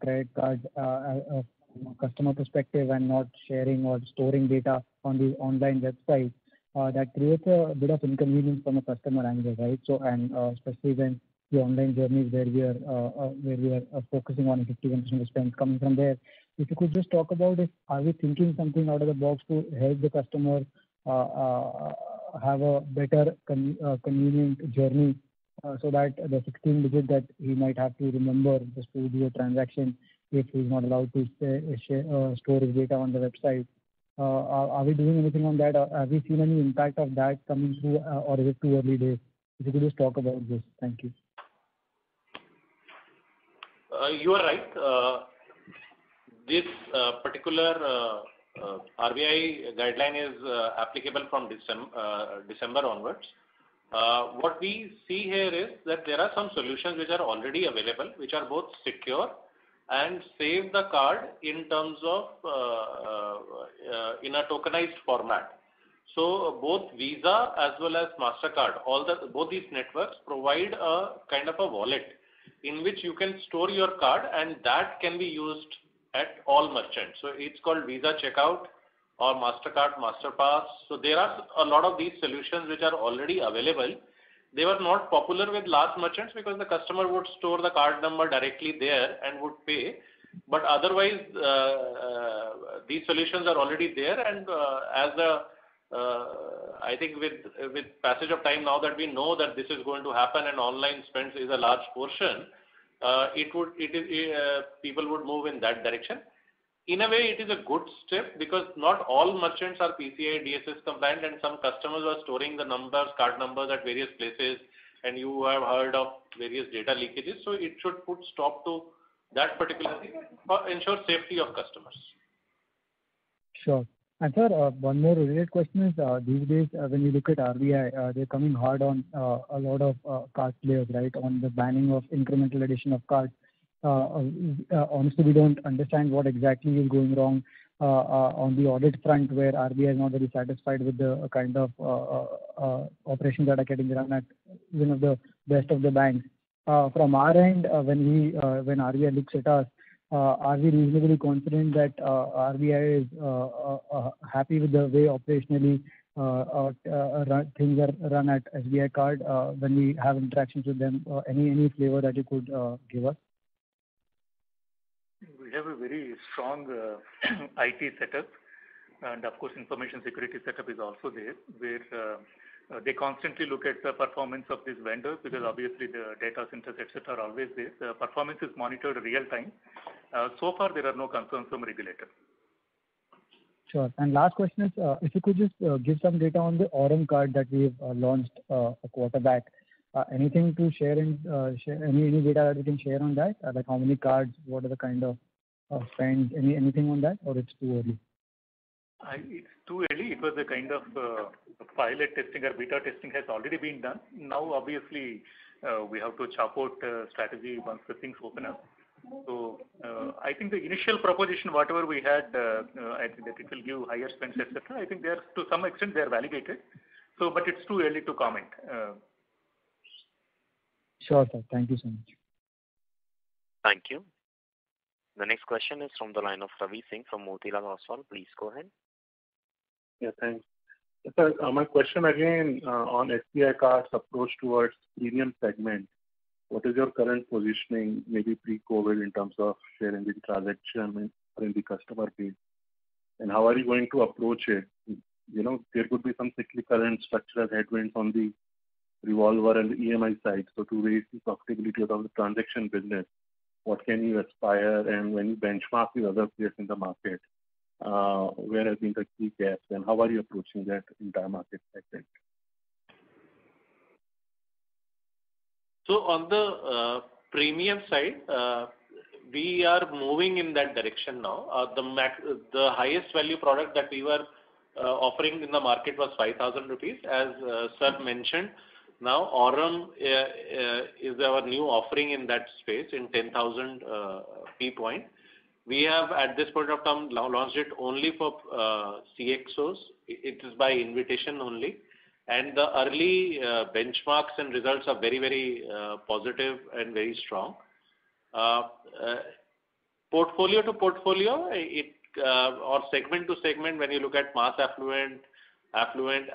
credit card from a customer perspective and not sharing or storing data on the online website. That creates a bit of inconvenience from a customer angle, right? Especially when the online journey where we are focusing on 51% spends coming from there. If you could just talk about it, are we thinking something out of the box to help the customer have a better convenient journey so that the 16-digit that he might have to remember just to do a transaction if he's not allowed to store his data on the website? Are we doing anything on that or have we seen any impact of that coming through or is it too early days? If you could just talk about this. Thank you. You are right. This particular RBI guideline is applicable from December onwards. What we see here is that there are some solutions which are already available, which are both secure and save the card in a tokenized format. Both Visa as well as Mastercard, both these networks provide a kind of a wallet in which you can store your card and that can be used at all merchants. It's called Visa Checkout or Mastercard Masterpass. There are a lot of these solutions which are already available. They were not popular with large merchants because the customer would store the card number directly there and would pay. Otherwise, these solutions are already there and I think with passage of time, now that we know that this is going to happen and online spend is a large portion, people would move in that direction. In a way, it is a good step because not all merchants are PCI DSS compliant and some customers are storing the numbers, card numbers at various places, and you have heard of various data leakages. It should put stop to that particular thing or ensure safety of customers. Sure. Sir, one more related question is, these days when you look at RBI, they're coming hard on a lot of card players on the banning of incremental addition of cards. Honestly, we don't understand what exactly is going wrong on the audit front where RBI is not very satisfied with the kind of operations that are getting run at even the best of the banks. From our end, when RBI looks at us, are we reasonably confident that RBI is happy with the way operationally things are run at SBI Card when we have interactions with them? Any flavor that you could give us? We have a very strong IT setup and of course, information security setup is also there, where they constantly look at the performance of these vendors because obviously the data centers, et cetera, are always there. Performance is monitored real time. There are no concerns from regulator. Sure. Last question is, if you could just give some data on the AURUM card that we've launched a quarter back. Anything to share, any data that you can share on that? Like how many cards? What are the kind of spends? Anything on that, or it's too early? It's too early because the kind of pilot testing or beta testing has already been done. Now, obviously, we have to chalk out a strategy once the things open up. I think the initial proposition, whatever we had, I think that it will give higher spends, et cetera. I think to some extent they are validated. It's too early to comment. Sure, sir. Thank you so much. Thank you. The next question is from the line of Ravi Singh from Motilal Oswal. Please go ahead. Yeah, thanks. Sir, my question again on SBI Card's approach towards premium segment. What is your current positioning, maybe pre-COVID, in terms of share in transaction and in the customer base? How are you going to approach it? There could be some cyclical and structural headwinds on the revolver and EMI side. To raise the profitability of the transaction business, what can you aspire? When you benchmark with other players in the market, where has been the key gaps and how are you approaching that entire market segment? On the premium side, we are moving in that direction now. The highest value product that we were offering in the market was 5,000 rupees, as sir mentioned. AURUM is our new offering in that space in 10,000 fee point. We have, at this point of time, launched it only for CXOs. It is by invitation only. The early benchmarks and results are very positive and very strong. Portfolio to portfolio or segment to segment, when you look at mass affluent,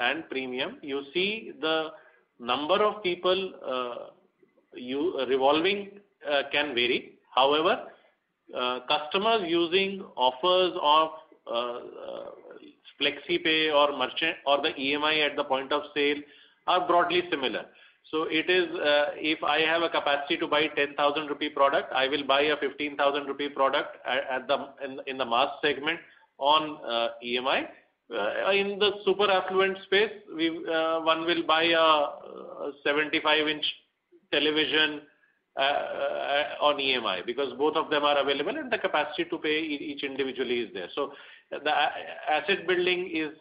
and premium, you see the number of people revolving can vary. However, customers using offers of Flexipay or the EMI at the point of sale are broadly similar. If I have a capacity to buy a 10,000 rupee product, I will buy a 15,000 rupee product in the mass segment on EMI. In the super affluent space, one will buy a 75-inch television on EMI because both of them are available and the capacity to pay each individually is there. The asset building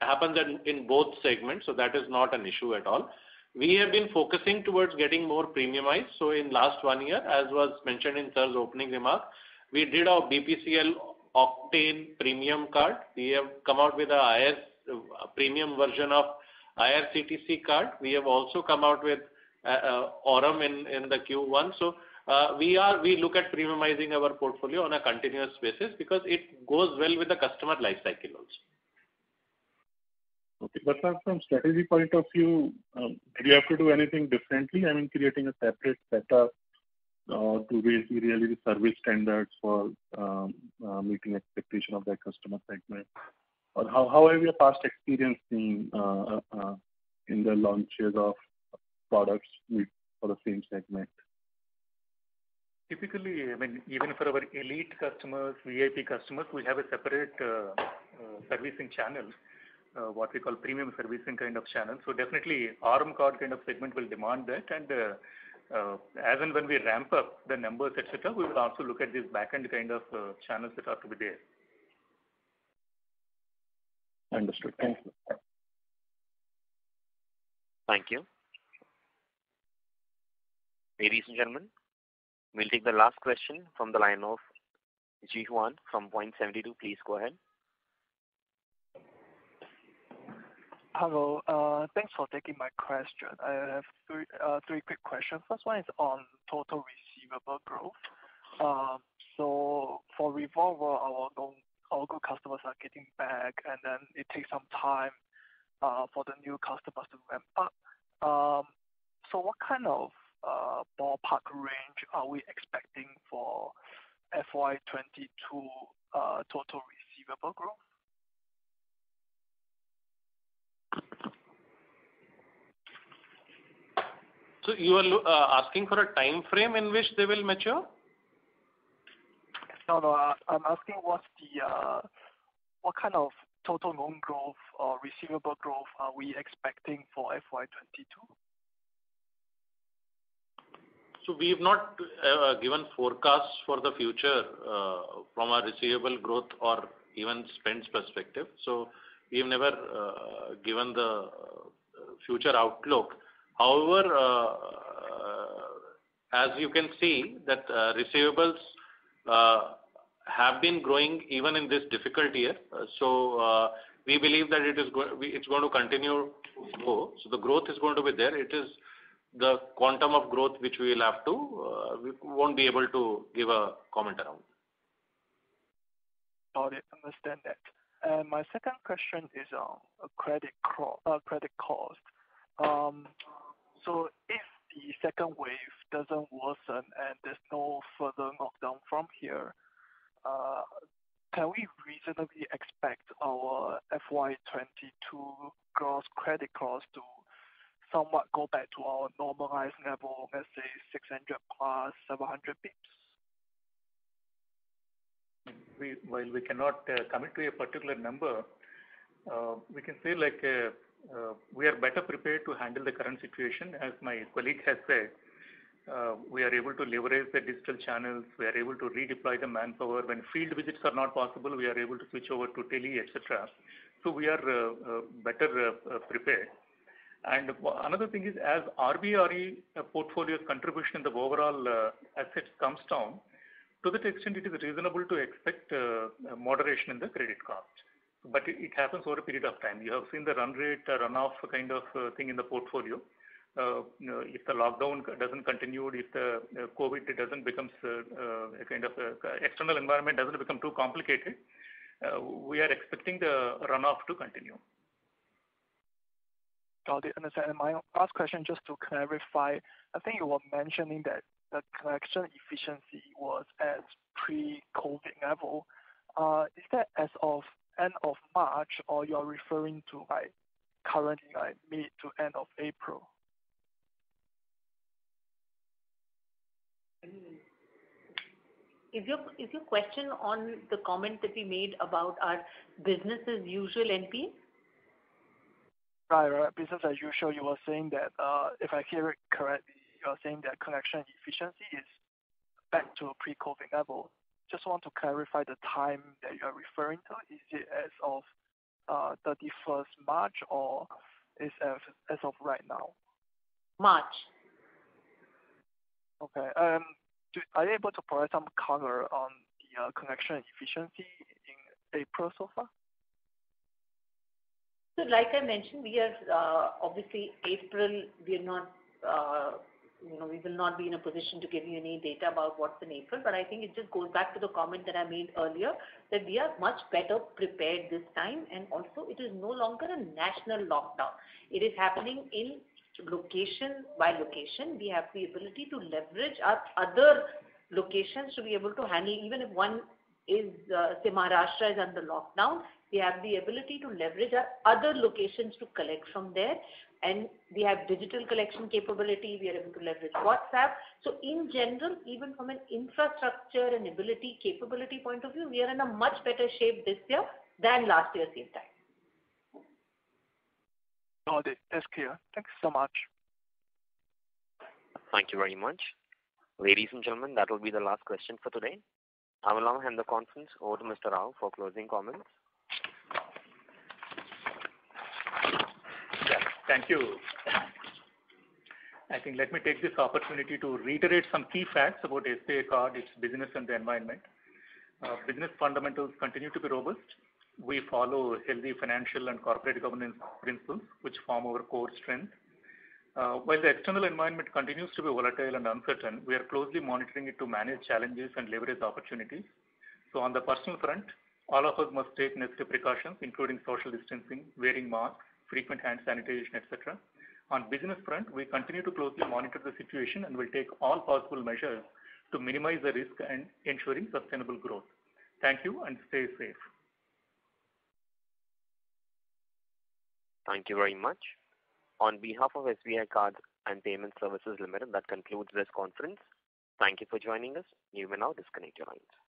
happens in both segments, so that is not an issue at all. We have been focusing towards getting more premiumized. In last one year, as was mentioned in sir's opening remarks, we did a BPCL OCTANE premium card. We have come out with a premium version of IRCTC card. We have also come out with AURUM in the Q1. We look at premiumizing our portfolio on a continuous basis because it goes well with the customer life cycle also. Okay. Sir, from strategy point of view, did you have to do anything differently? I mean, creating a separate setup to raise the quality service standards for meeting expectations of that customer segment. How has your past experience been in the launches of products for the same segment? Typically, even for our elite customers, VIP customers, we have a separate servicing channel, what we call premium servicing kind of channel. Definitely, AURUM card segment will demand that and as and when we ramp up the numbers, et cetera, we will also look at these back-end kind of channels that are to be there. Understood. Thank you. Thank you. Ladies and gentlemen, we'll take the last question from the line of Jia Huan from Point72. Please go ahead. Hello. Thanks for taking my question. I have three quick questions. First one is on total receivable growth. For revolver, our old customers are getting back, it takes some time for the new customers to ramp up. What kind of ballpark range are we expecting for FY 2022 total receivable growth? You are asking for a timeframe in which they will mature? No. I'm asking what kind of total loan growth or receivable growth are we expecting for FY 2022? We have not given forecasts for the future from a receivable growth or even spends perspective. We've never given the future outlook. However, as you can see, receivables have been growing even in this difficult year. We believe that it's going to continue to grow. The growth is going to be there. It is the quantum of growth which we won't be able to give a comment around. Got it. Understand that. My second question is on credit cost. If the second wave doesn't worsen and there's no further lockdown from here, can we reasonably expect our FY 2022 gross credit cost to somewhat go back to our normalized level, let's say 600+, 700 basis points? While we cannot commit to a particular number, we can say we are better prepared to handle the current situation. As my colleague has said, we are able to leverage the digital channels. We are able to redeploy the manpower. When field visits are not possible, we are able to switch over to tele, et cetera. We are better prepared. Another thing is, as RBI RE portfolio's contribution in the overall assets comes down, to that extent, it is reasonable to expect moderation in the credit cost. It happens over a period of time. You have seen the run rate, run-off kind of thing in the portfolio. If the lockdown doesn't continue, if the COVID, the external environment doesn't become too complicated, we are expecting the run-off to continue. Got it. Understand. My last question, just to clarify, I think you were mentioning that the collection efficiency was at pre-COVID level. Is that as of end of March, or you are referring to currently mid to end of April? Is your question on the comment that we made about our business as usual NP? Right. Business as usual, you were saying that, if I hear it correctly, you are saying that collection efficiency is back to a pre-COVID level. Just want to clarify the time that you are referring to. Is it as of 31st March or is it as of right now? March. Okay. Are you able to provide some color on the collection efficiency in April so far? Like I mentioned, obviously April, we will not be in a position to give you any data about what's in April. I think it just goes back to the comment that I made earlier, that we are much better prepared this time. Also it is no longer a national lockdown. It is happening location by location. We have the ability to leverage our other locations to be able to handle, even if, say, Maharashtra is under lockdown, we have the ability to leverage our other locations to collect from there. We have digital collection capability. We are able to leverage WhatsApp. In general, even from an infrastructure and ability capability point of view, we are in a much better shape this year than last year same time. Got it. That's clear. Thanks so much. Thank you very much. Ladies and gentlemen, that will be the last question for today. I will now hand the conference over to Mr. Rao for closing comments. Yes. Thank you. I think let me take this opportunity to reiterate some key facts about SBI Card, its business in the environment. Business fundamentals continue to be robust. We follow healthy financial and corporate governance principles, which form our core strength. While the external environment continues to be volatile and uncertain, we are closely monitoring it to manage challenges and leverage opportunities. On the personal front, all of us must take necessary precautions, including social distancing, wearing masks, frequent hand sanitation, et cetera. On business front, we continue to closely monitor the situation and will take all possible measures to minimize the risk and ensuring sustainable growth. Thank you, and stay safe. Thank you very much. On behalf of SBI Cards and Payment Services Limited, that concludes this conference. Thank you for joining us. You may now disconnect your lines.